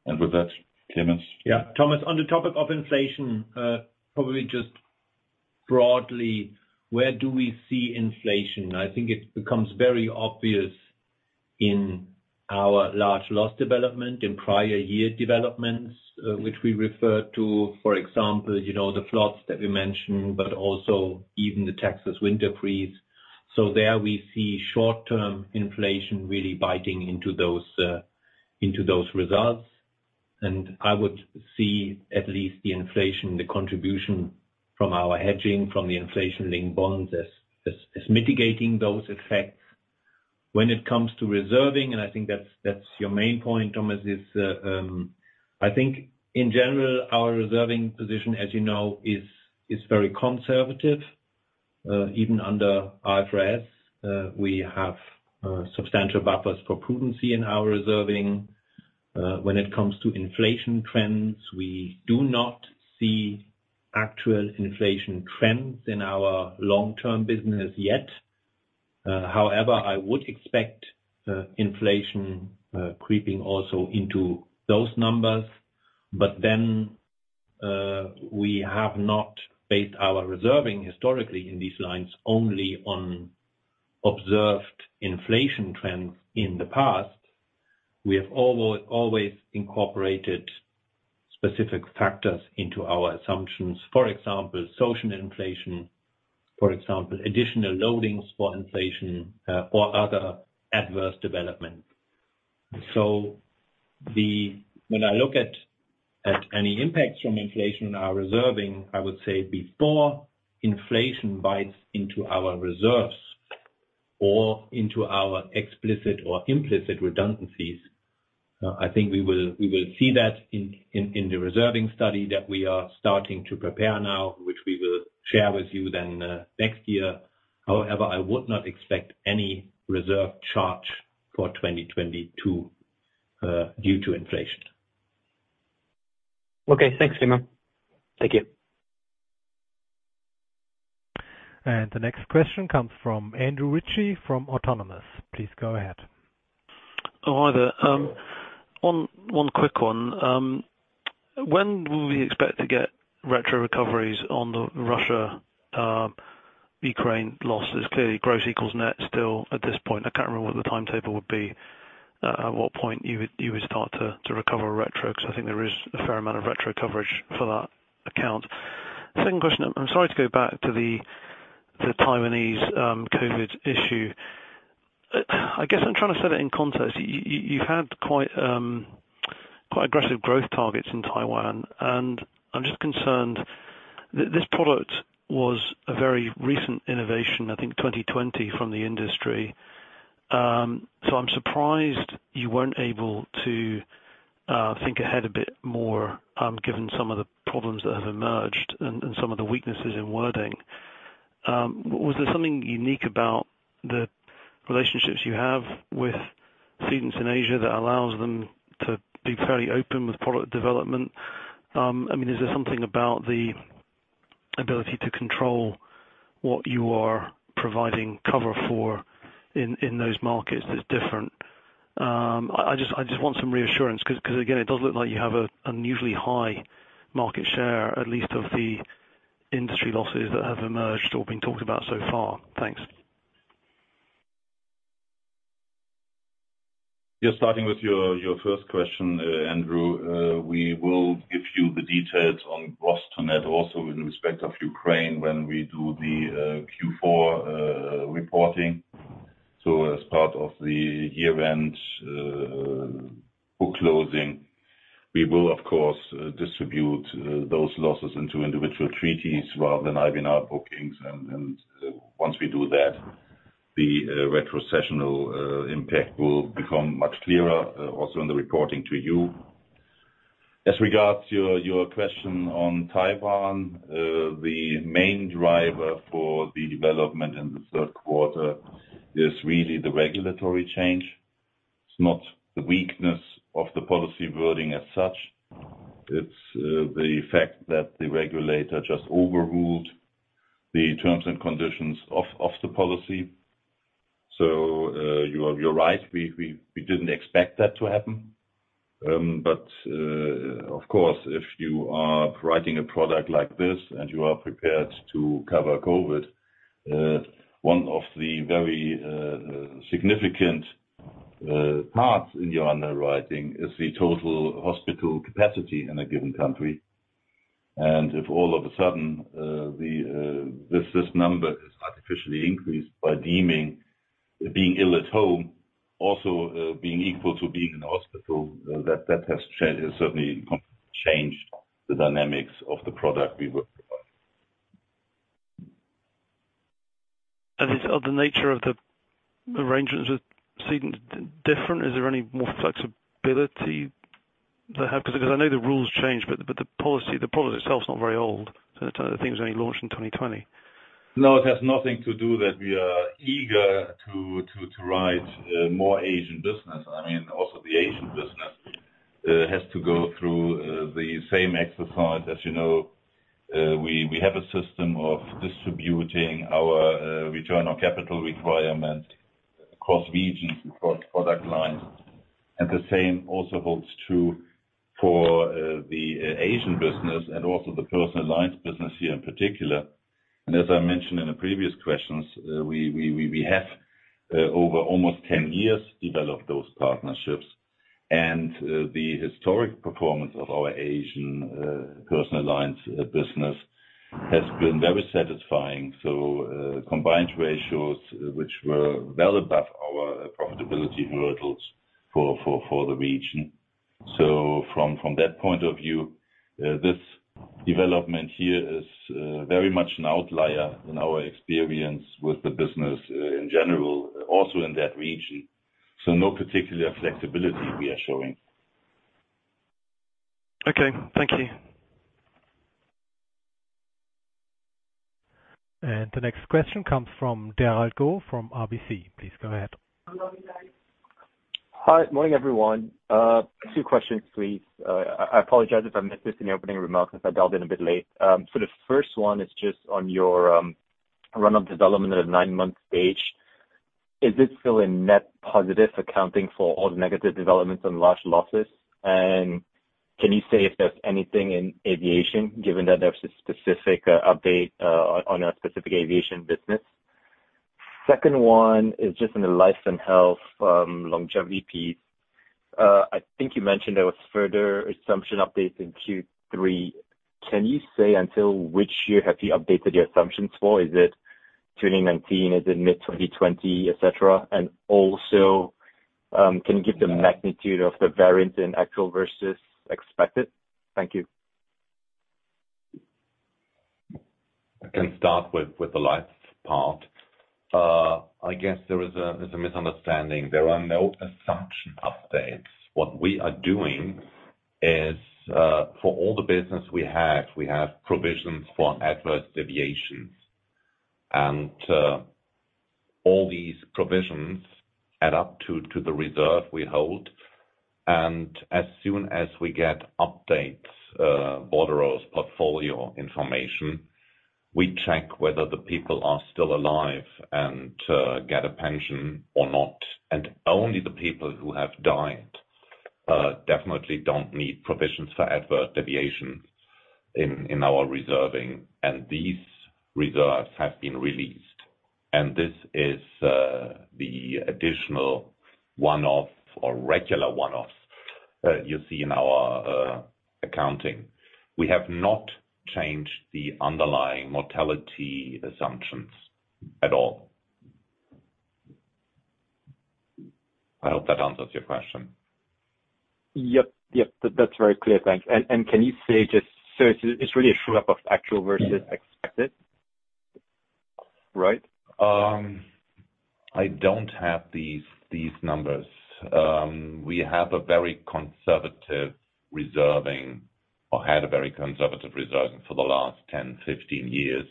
With that, Clemens. Yeah. Thomas, on the topic of inflation, probably just broadly, where do we see inflation? I think it becomes very obvious in our large loss development in prior year developments, which we referred to, for example, you know, the floods that we mentioned, but also even the Texas winter freeze. There we see short-term inflation really biting into those results. I would see at least the inflation, the contribution from our hedging from the inflation-linked bonds as mitigating those effects. When it comes to reserving, I think that's your main point, Thomas, I think in general, our reserving position, as you know, is very conservative, even under IFRS. We have substantial buffers for prudency in our reserving. When it comes to inflation trends, we do not see actual inflation trends in our long-term business yet. However, I would expect inflation creeping also into those numbers. We have not based our reserving historically in these lines only on observed inflation trends in the past. We have always incorporated specific factors into our assumptions. For example, social inflation, for example, additional loadings for inflation, or other adverse development. When I look at any impact from inflation in our reserving, I would say before inflation bites into our reserves or into our explicit or implicit redundancies, I think we will see that in the reserving study that we are starting to prepare now, which we will share with you then, next year. However, I would not expect any reserve charge for 2022 due to inflation. Okay. Thanks, Clemens. Thank you. The next question comes from Andrew Ritchie from Autonomous. Please go ahead. Oh, hi there. One quick one. When will we expect to get retro recoveries on the Russia, Ukraine losses? Clearly, gross equals net still at this point. I can't remember what the timetable would be. At what point you would start to recover retro, because I think there is a fair amount of retro coverage for that account. Second question. I'm sorry to go back to the Taiwanese COVID issue. I guess I'm trying to set it in context. You've had quite aggressive growth targets in Taiwan, and I'm just concerned. This product was a very recent innovation, I think, 2020 from the industry. So I'm surprised you weren't able to think ahead a bit more, given some of the problems that have emerged and some of the weaknesses in wording. Was there something unique about the relationships you have with cedents in Asia that allows them to be fairly open with product development? I mean, is there something about the ability to control what you are providing cover for in those markets that's different? I just want some reassurance 'cause again, it does look like you have an unusually high market share, at least of the industry losses that have emerged or been talked about so far. Thanks. Yeah. Starting with your first question, Andrew. We will give you the details on BostonNet also in respect of Ukraine when we do the Q4 reporting. As part of the year-end book closing, we will of course distribute those losses into individual treaties rather than IBNR bookings. Once we do that, the retrocessional impact will become much clearer also in the reporting to you. As regards to your question on Taiwan, the main driver for the development in the third quarter is really the regulatory change. It's not the weakness of the policy wording as such. It's the fact that the regulator just overruled the terms and conditions of the policy. You are right, we didn't expect that to happen. Of course, if you are providing a product like this and you are prepared to cover COVID, one of the very significant parts in your underwriting is the total hospital capacity in a given country. If all of a sudden, this number is artificially increased by deeming being ill at home also being equal to being in hospital, that has certainly changed the dynamics of the product we were providing. Is the nature of the arrangements with cedent different? Is there any more flexibility they have? 'Cause I know the rules change, but the policy, the product itself is not very old. The thing was only launched in 2020. No, it has nothing to do with that we are eager to write more Asian business. I mean, also the Asian business has to go through the same exercise. As you know, we have a system of distributing our return on capital requirement across regions, across product lines. The same also holds true for the Asian business and also the personal alliance business here in particular. As I mentioned in the previous questions, we have over almost 10 years developed those partnerships. The historic performance of our Asian personal alliance business has been very satisfying. Combined ratios which were well above our profitability hurdles for the region. From that point of view, this development here is very much an outlier in our experience with the business, in general, also in that region. No particular flexibility we are showing. Okay. Thank you. The next question comes from Derald Goh from RBC. Please go ahead. Hi. Morning, everyone. Two questions, please. I apologize if I missed this in the opening remarks, if I joined in a bit late. So the first one is just on your run-off development at a nine-month stage. Is it still a net positive accounting for all the negative developments and large losses? And can you say if there's anything in aviation given that there's a specific update on a specific aviation business? Second one is just in the life and health longevity piece. I think you mentioned there was further assumption updates in Q3. Can you say until which year have you updated your assumptions for? Is it 2019? Is it mid-2020, et cetera? And also, can you give the magnitude of the variance in actual versus expected? Thank you. I can start with the life part. I guess there's a misunderstanding. There are no assumption updates. What we are doing is for all the business we have, we have provisions for adverse deviations. All these provisions add up to the reserve we hold. As soon as we get updates from our portfolio information, we check whether the people are still alive and get a pension or not. Only the people who have died definitely don't need provisions for adverse deviations in our reserving. These reserves have been released. This is the additional one-off or regular one-offs that you see in our accounting. We have not changed the underlying mortality assumptions at all. I hope that answers your question. Yep, yep. That's very clear. Thanks. Can you say just so it's really a true up of actual versus expected, right? I don't have these numbers. We have a very conservative reserving or had a very conservative reserving for the last 10 years, 15 years.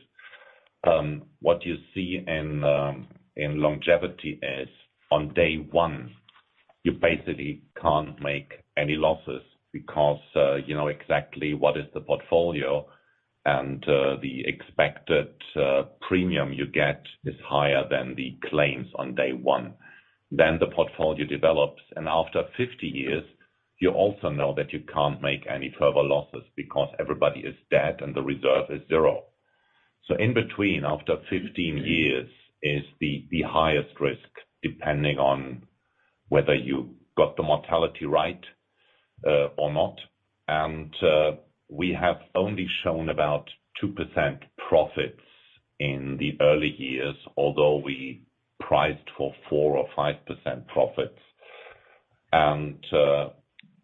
What you see in longevity is on day one, you basically can't make any losses because you know exactly what is the portfolio, and the expected premium you get is higher than the claims on day one. The portfolio develops, and after 50 years, you also know that you can't make any further losses because everybody is dead and the reserve is zero. In between, after 15 years is the highest risk, depending on whether you got the mortality right or not. We have only shown about 2% profits in the early years, although we priced for 4% or 5% profits.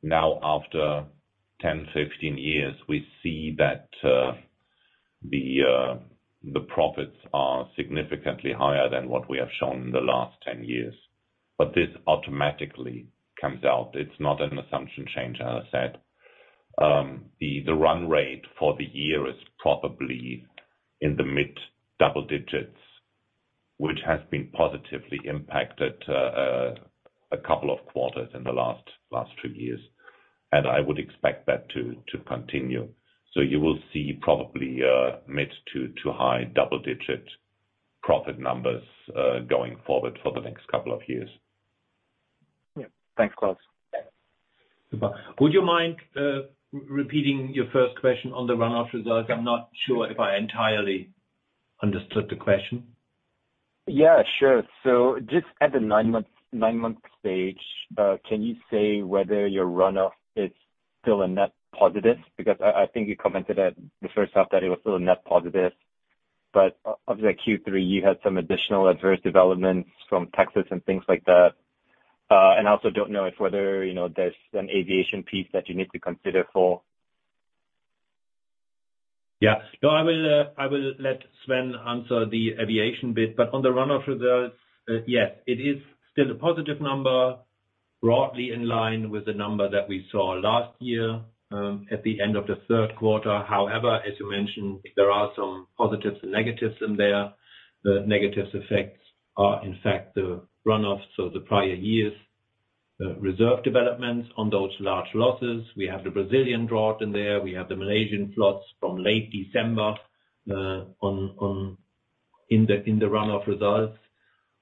Now after 10 years, 15 years, we see that the profits are significantly higher than what we have shown in the last 10 years. This automatically comes out. It's not an assumption change, as I said. The run rate for the year is probably in the mid-double-digits, which has been positively impacted a couple of quarters in the last two years, and I would expect that to continue. You will see probably mid- to high double-digit profit numbers going forward for the next couple of years. Yeah. Thanks, Klaus. Would you mind, repeating your first question on the run-off results? I'm not sure if I entirely understood the question. Yeah, sure. Just at the nine-month stage, can you say whether your run-off is still a net positive? Because I think you commented at the first half that it was still a net positive, but obviously Q3 you had some additional adverse developments from Texas and things like that. I also don't know whether, you know, there's an aviation piece that you need to consider for. Yeah. No, I will let Sven answer the aviation bit. On the run-off results, yes, it is still a positive number, broadly in line with the number that we saw last year, at the end of the third quarter. However, as you mentioned, there are some positives and negatives in there. The negative effects are, in fact, the run-offs, so the prior years' reserve developments on those large losses. We have the Brazilian drought in there. We have the Malaysian floods from late December on in the run-off results.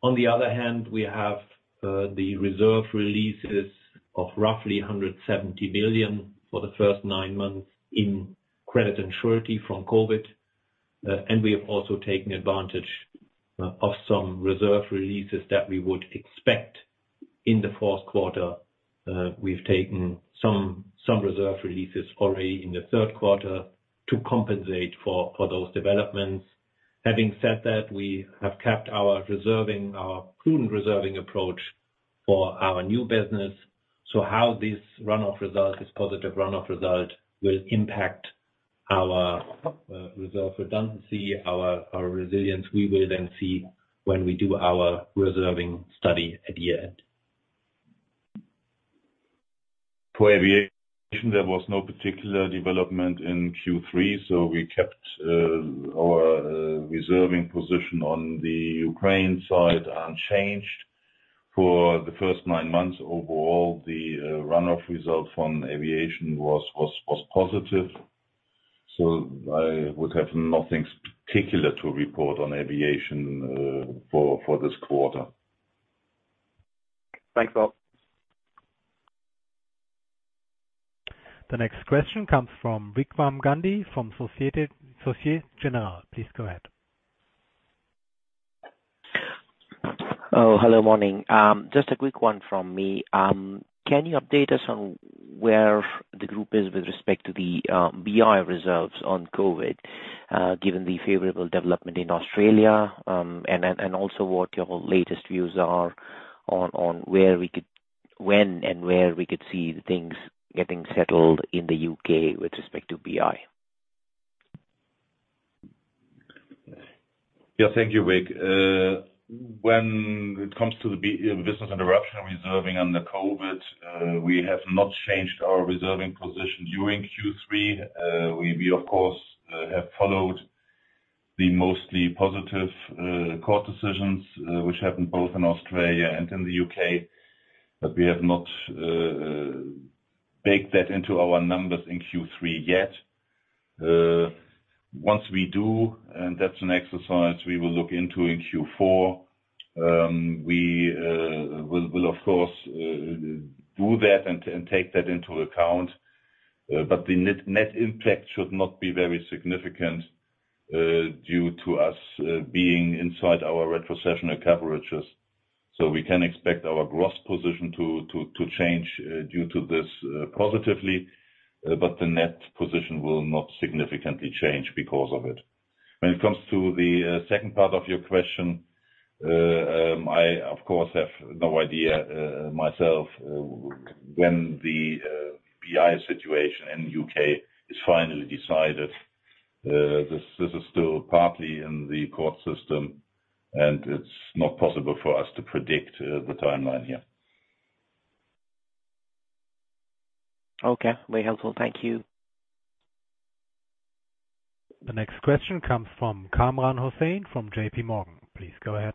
On the other hand, we have the reserve releases of roughly 170 million for the first nine months in credit and surety from COVID. We have also taken advantage of some reserve releases that we would expect in the fourth quarter. We've taken some reserve releases already in the third quarter to compensate for those developments. Having said that, we have kept our reserving, our prudent reserving approach for our new business. How this run-off result, this positive run-off result, will impact our reserve redundancy, our resilience, we will then see when we do our reserving study at year-end. For aviation, there was no particular development in Q3, so we kept our reserving position on the Ukraine side unchanged. For the first nine months overall, the run-off result from aviation was positive. I would have nothing particular to report on aviation for this quarter. Thanks, Klaus. The next question comes from Vikram Gandhi from Société Générale. Please go ahead. Hello, morning. Just a quick one from me. Can you update us on where the group is with respect to the BI reserves on COVID, given the favorable development in Australia, and also what your latest views are on when and where we could see things getting settled in the UK with respect to BI? Yeah. Thank you, Vik. When it comes to the business interruption reserving under COVID, we have not changed our reserving position during Q3. We of course have followed the mostly positive court decisions, which happened both in Australia and in the U.K. We have not baked that into our numbers in Q3 yet. Once we do, and that's an exercise we will look into in Q4, we will of course do that and take that into account. The net impact should not be very significant due to us being inside our retrocessional coverages. We can expect our gross position to change due to this positively, but the net position will not significantly change because of it. When it comes to the second part of your question, I of course have no idea myself when the BI situation in the UK is finally decided. This is still partly in the court system, and it's not possible for us to predict the timeline here. Okay. Very helpful. Thank you. The next question comes from Kamran Hossain from JPMorgan. Please go ahead.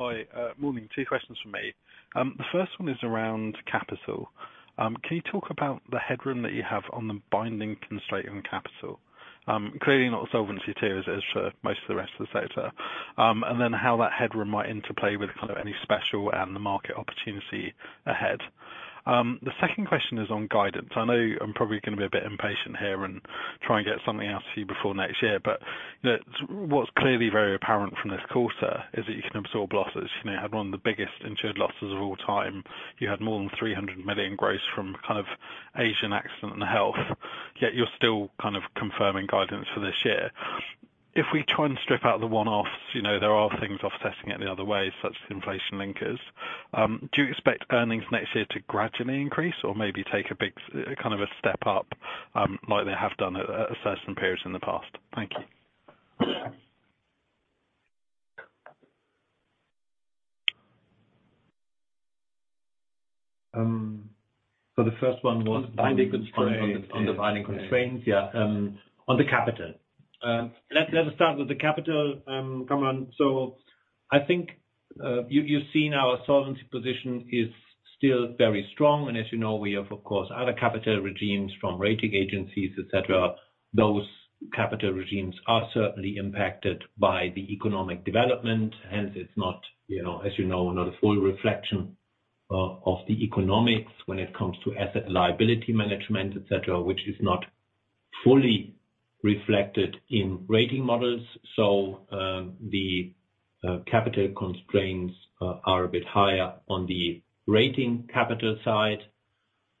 Hi. Morning. Two questions from me. The first one is around capital. Can you talk about the headroom that you have on the binding constraint in capital? Clearly not solvency tiers as for most of the rest of the sector. How that headroom might interplay with kind of any special and the market opportunity ahead. The second question is on guidance. I know I'm probably gonna be a bit impatient here and try and get something out of you before next year. What's clearly very apparent from this quarter is that you can absorb losses. You now had one of the biggest insured losses of all time. You had more than 300 million gross from kind of Asian Accident and Health, yet you're still kind of confirming guidance for this year. If we try and strip out the one-offs, you know, there are things offsetting it the other way, such as inflation linkers. Do you expect earnings next year to gradually increase or maybe take a big, kind of a step up, like they have done at certain periods in the past? Thank you. The first one was. Binding constraint. Yeah. On the binding constraints. Yeah, on the capital. Let's start with the capital, Kamran. I think you've seen our solvency position is still very strong. As you know, we have, of course, other capital regimes from rating agencies, et cetera. Those capital regimes are certainly impacted by the economic development. Hence, it's not, you know, as you know, not a full reflection of the economics when it comes to asset liability management, et cetera, which is not fully reflected in rating models. The capital constraints are a bit higher on the rating capital side.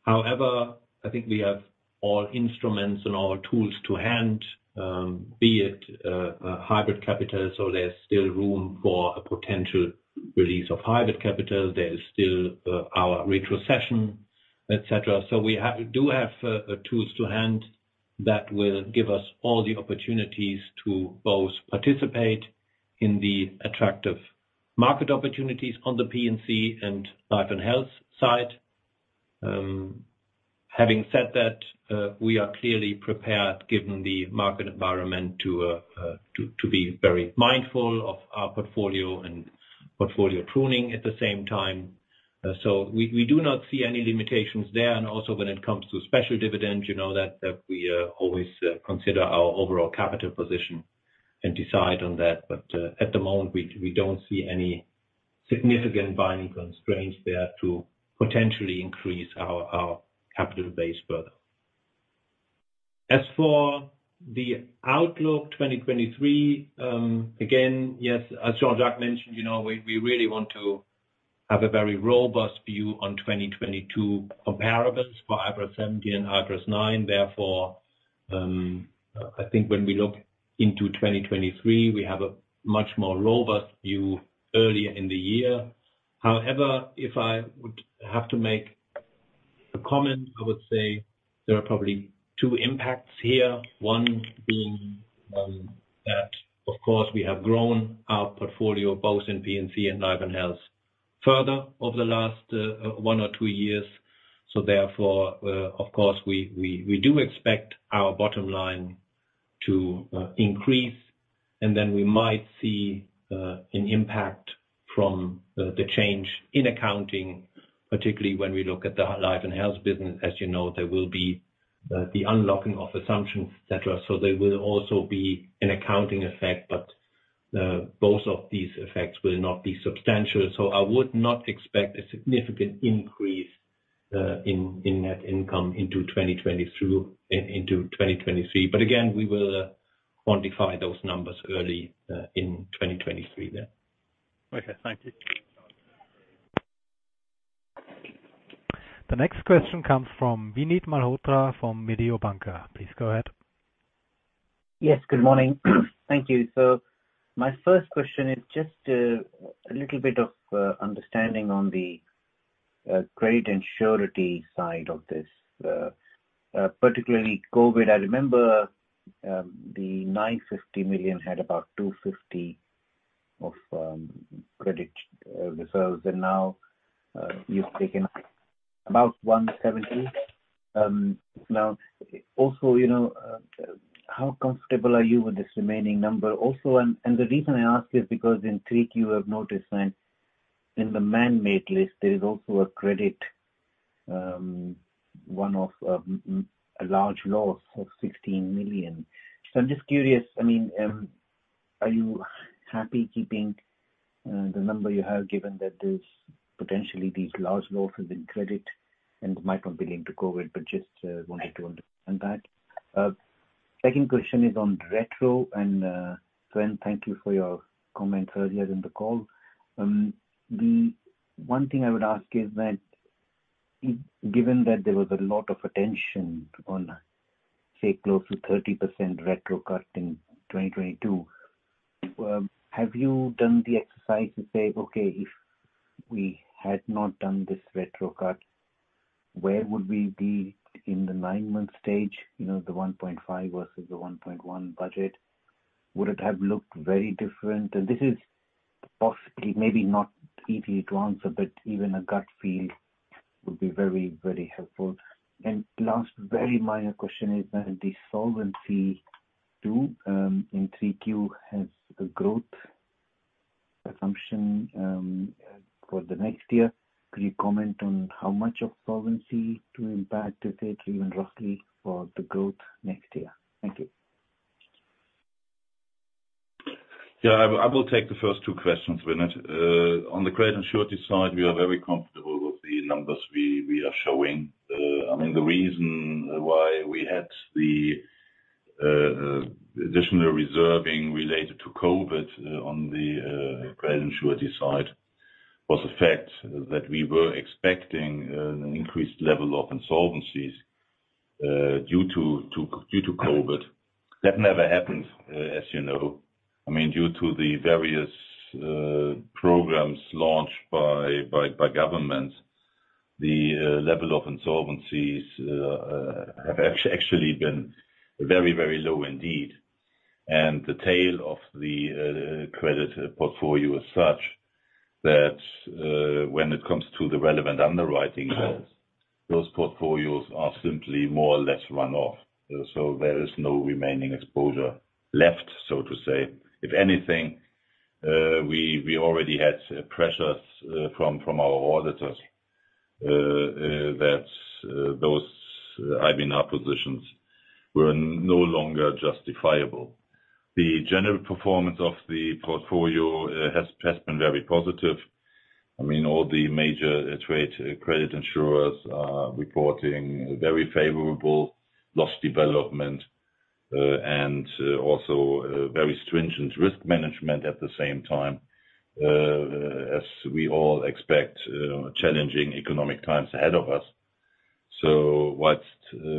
However, I think we have all instruments and all tools to hand, be it hybrid capital, so there's still room for a potential release of hybrid capital. There is still our retrocession, et cetera. We do have tools to hand that will give us all the opportunities to both participate in the attractive market opportunities on the P&C and life and health side. Having said that, we are clearly prepared, given the market environment, to be very mindful of our portfolio and portfolio pruning at the same time. We do not see any limitations there. Also, when it comes to special dividends, you know that we always consider our overall capital position and decide on that. At the moment, we don't see any significant binding constraints there to potentially increase our capital base further. As for the outlook 2023, again, yes, as Jean-Jacques mentioned, you know, we really want to have a very robust view on 2022 comparables for IFRS 17, IFRS 9. Therefore, I think when we look into 2023, we have a much more robust view earlier in the year. However, if I would have to make a comment, I would say there are probably two impacts here. One being, that of course, we have grown our portfolio both in P&C and life and health further over the last one or two years. Therefore, of course, we do expect our bottom line to increase, and then we might see an impact from the change in accounting, particularly when we look at the life and health business. As you know, there will be the unlocking of assumptions, et cetera. There will also be an accounting effect, but both of these effects will not be substantial. I would not expect a significant increase in net income into 2023. Again, we will quantify those numbers early in 2023 there. Okay. Thank you. The next question comes from Vinit Malhotra from Mediobanca. Please go ahead. Yes, good morning. Thank you. My first question is just a little bit of understanding on the credit and surety side of this, particularly COVID. I remember the 950 million had about 250 million of credit reserves, and now you've taken about 170 million. Now, also, you know, how comfortable are you with this remaining number? The reason I ask is because in 3Q you have noticed, and in the man-made list, there is also a credit one-off of 16 million. So I'm just curious, I mean, are you happy keeping the number you have given that there's potentially these large losses in credit and might not be linked to COVID, but just wanted to understand that. Second question is on retro and, Sven, thank you for your comments earlier in the call. The one thing I would ask is that given that there was a lot of attention on, say, close to 30% retro cut in 2022, have you done the exercise to say, okay, if we had not done this retro cut, where would we be in the nine-month stage? You know, the 1.5 billion versus the 1.1 billion budget. Would it have looked very different? This is possibly maybe not easy to answer, but even a gut feel would be very, very helpful. Last very minor question is that the Solvency II in 3Q has a growth assumption for the next year. Could you comment on how much of Solvency II impact, let's say, even roughly, for the growth next year? Thank you. Yeah, I will take the first two questions, Vinit. On the credit and surety side, we are very comfortable with the numbers we are showing. I mean, the reason why we had the additional reserving related to COVID on the credit and surety side was the fact that we were expecting an increased level of insolvencies due to COVID. That never happened, as you know. I mean, due to the various programs launched by government, the level of insolvencies have actually been very low indeed. The tail of the credit portfolio is such that, when it comes to the relevant underwriting calls, those portfolios are simply more or less run off. There is no remaining exposure left, so to say. If anything, we already had pressures from our auditors that those IBNR positions were no longer justifiable. The general performance of the portfolio has been very positive. I mean, all the major trade credit insurers are reporting very favorable loss development and also very stringent risk management at the same time as we all expect challenging economic times ahead of us. What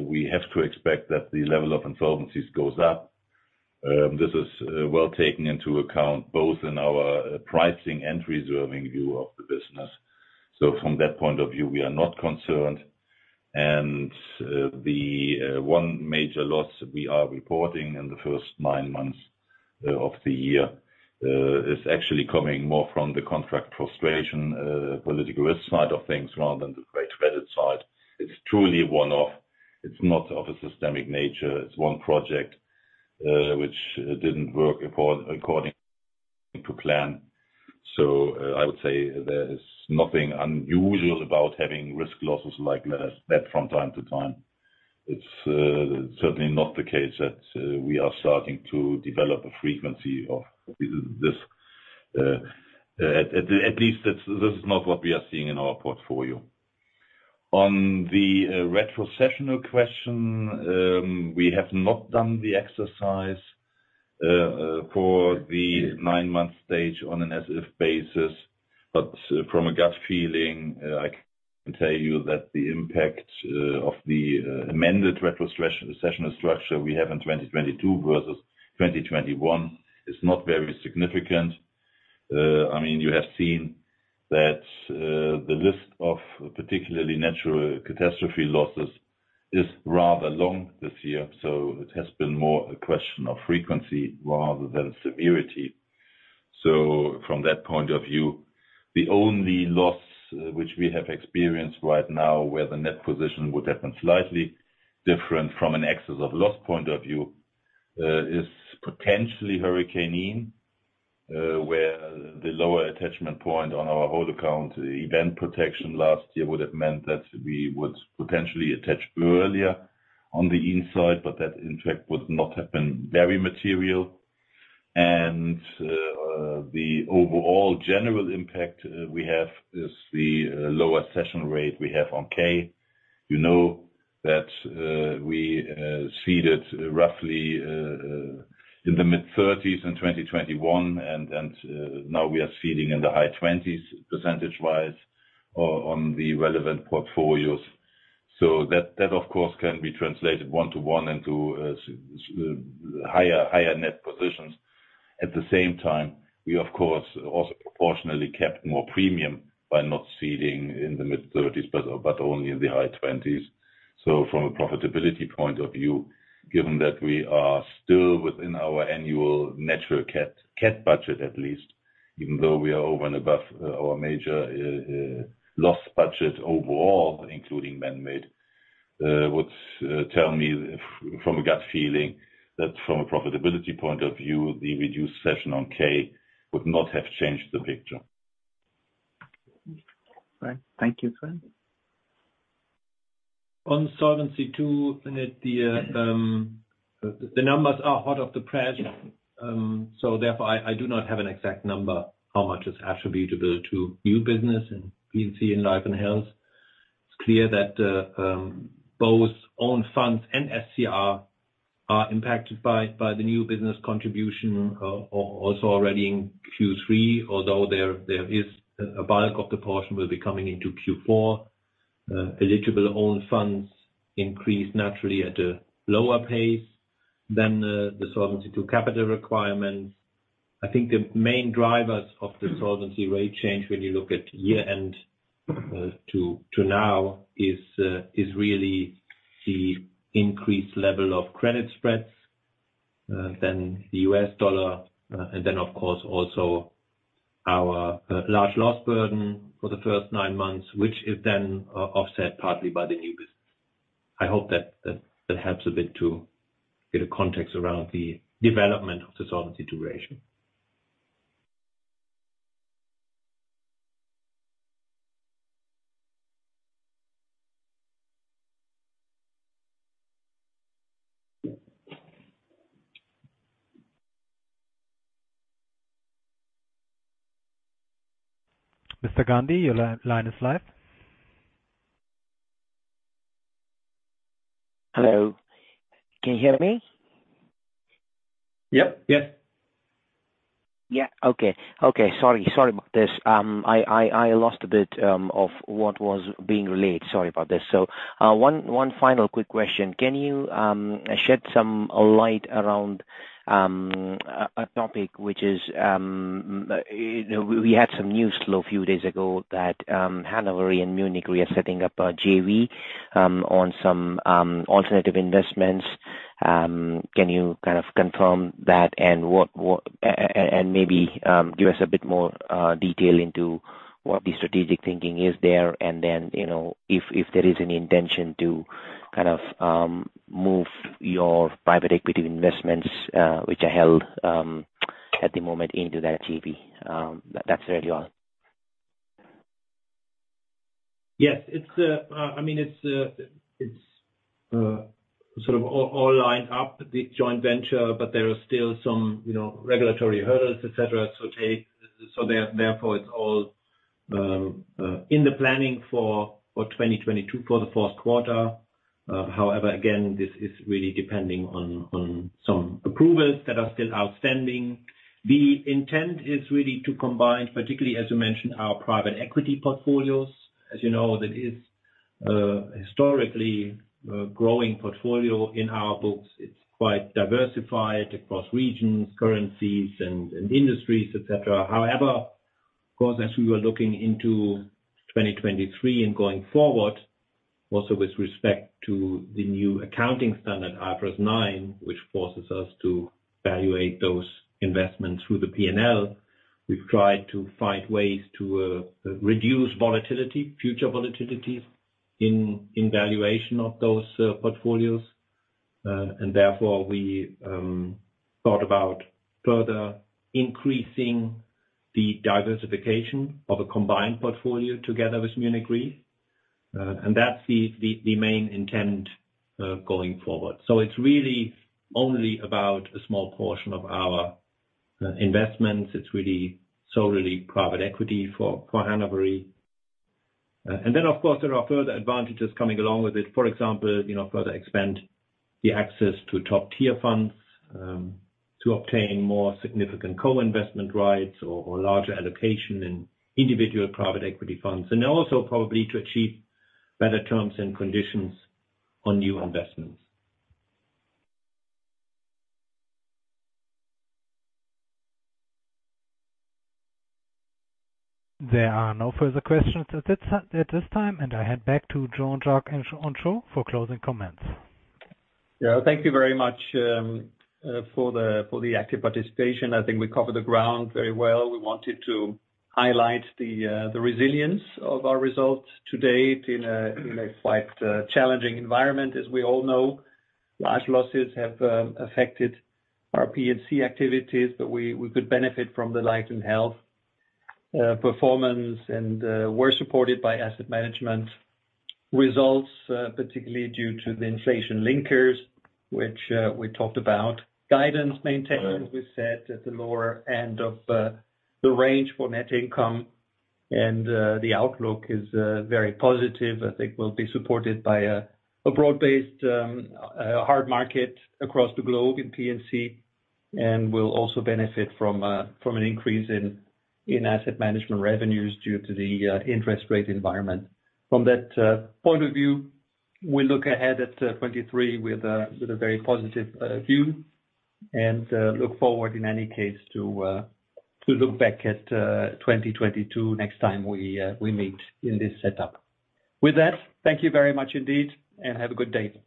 we have to expect that the level of insolvencies goes up. This is well taken into account both in our pricing and reserving view of the business. From that point of view, we are not concerned. The one major loss we are reporting in the first nine months of the year is actually coming more from the contract frustration political risk side of things rather than the credit side. It's truly a one-off. It's not of a systemic nature. It's one project which didn't work according to plan. I would say there is nothing unusual about having risk losses like that from time to time. It's certainly not the case that we are starting to develop a frequency of this, at least this is not what we are seeing in our portfolio. On the retrocessional question, we have not done the exercise for the nine-month stage on an as-if basis. From a gut feeling, I can tell you that the impact of the amended retrocession structure we have in 2022 versus 2021 is not very significant. I mean, you have seen that the list of particularly natural catastrophe losses is rather long this year. It has been more a question of frequency rather than severity. From that point of view, the only loss which we have experienced right now, where the net position would have been slightly different from an excess of loss point of view, is potentially Hurricane Ian, where the lower attachment point on our whole account event protection last year would have meant that we would potentially attach earlier on the inside, but that in fact would not have been very material. The overall general impact we have is the lower cession rate we have on cat. You know that we ceded roughly in the mid-30s% in 2021, and now we are ceding in the high 20s% on the relevant portfolios. That of course can be translated one-to-one into higher net positions. At the same time, we of course also proportionally kept more premium by not ceding in the mid-30s%, but only in the high 20s%. From a profitability point of view, given that we are still within our annual natural cat budget, at least, even though we are over and above our major loss budget overall, including man-made would tell me from a gut feeling that from a profitability point of view, the reduced cession on K would not have changed the picture. Right. Thank you, Sven. On Solvency II, the numbers are hot off the press. Yeah. Therefore, I do not have an exact number how much is attributable to new business in P&C and life and health. It's clear that both own funds and SCR are impacted by the new business contribution also already in Q3. Although there is a bulk of the portion will be coming into Q4. Eligible own funds increase naturally at a lower pace than the Solvency II capital requirements. I think the main drivers of the solvency rate change when you look at year-end to now is really the increased level of credit spreads, then the U.S. dollar. And then, of course, also our large loss burden for the first nine months, which is then offset partly by the new business. I hope that helps a bit to get a context around the development of the solvency duration. Mr. Gandhi, your line is live. Hello. Can you hear me? Yep. Yes. Okay, sorry about this. I lost a bit of what was being relayed. Sorry about this. One final quick question. Can you shed some light around a topic which is, you know, we had some news flow a few days ago that Hannover and Munich Re are setting up a JV on some alternative investments. Can you kind of confirm that and what and maybe give us a bit more detail into what the strategic thinking is there, and then, you know, if there is any intention to kind of move your private equity investments, which are held at the moment into that JV. That's really all. Yes. It's, I mean, it's sort of all lined up, the joint venture, but there are still some, you know, regulatory hurdles, et cetera, to take. Therefore it's all in the planning for 2022, for the fourth quarter. However, again, this is really depending on some approvals that are still outstanding. The intent is really to combine, particularly, as you mentioned, our private equity portfolios. As you know, that is historically a growing portfolio in our books. It's quite diversified across regions, currencies and industries, et cetera. However, of course, as we were looking into 2023 and going forward, also with respect to the new accounting standard, IFRS 9, which forces us to evaluate those investments through the P&L. We've tried to find ways to reduce volatility, future volatilities in valuation of those portfolios. Therefore we thought about further increasing the diversification of a combined portfolio together with Munich Re. That's the main intent going forward. It's really only about a small portion of our investment. It's really solely private equity for Hannover Rück. Of course, there are further advantages coming along with it. For example, you know, further expand the access to top-tier funds to obtain more significant co-investment rights or larger allocation in individual private equity funds. Also probably to achieve better terms and conditions on new investments. There are no further questions at this time, and I hand back to Jean-Jacques Henchoz for closing comments. Yeah. Thank you very much for the active participation. I think we covered the ground very well. We wanted to highlight the resilience of our results to date in a quite challenging environment. As we all know, large losses have affected our P&C activities, but we could benefit from the life and health performance and were supported by asset management results, particularly due to the inflation linkers, which we talked about. Guidance maintained, as we said, at the lower end of the range for net income. The outlook is very positive. I think we'll be supported by a broad-based hard market across the globe in P&C, and we'll also benefit from an increase in asset management revenues due to the interest rate environment. From that point of view, we look ahead at 2023 with a very positive view. Look forward in any case to look back at 2022 next time we meet in this setup. With that, thank you very much indeed, and have a good day.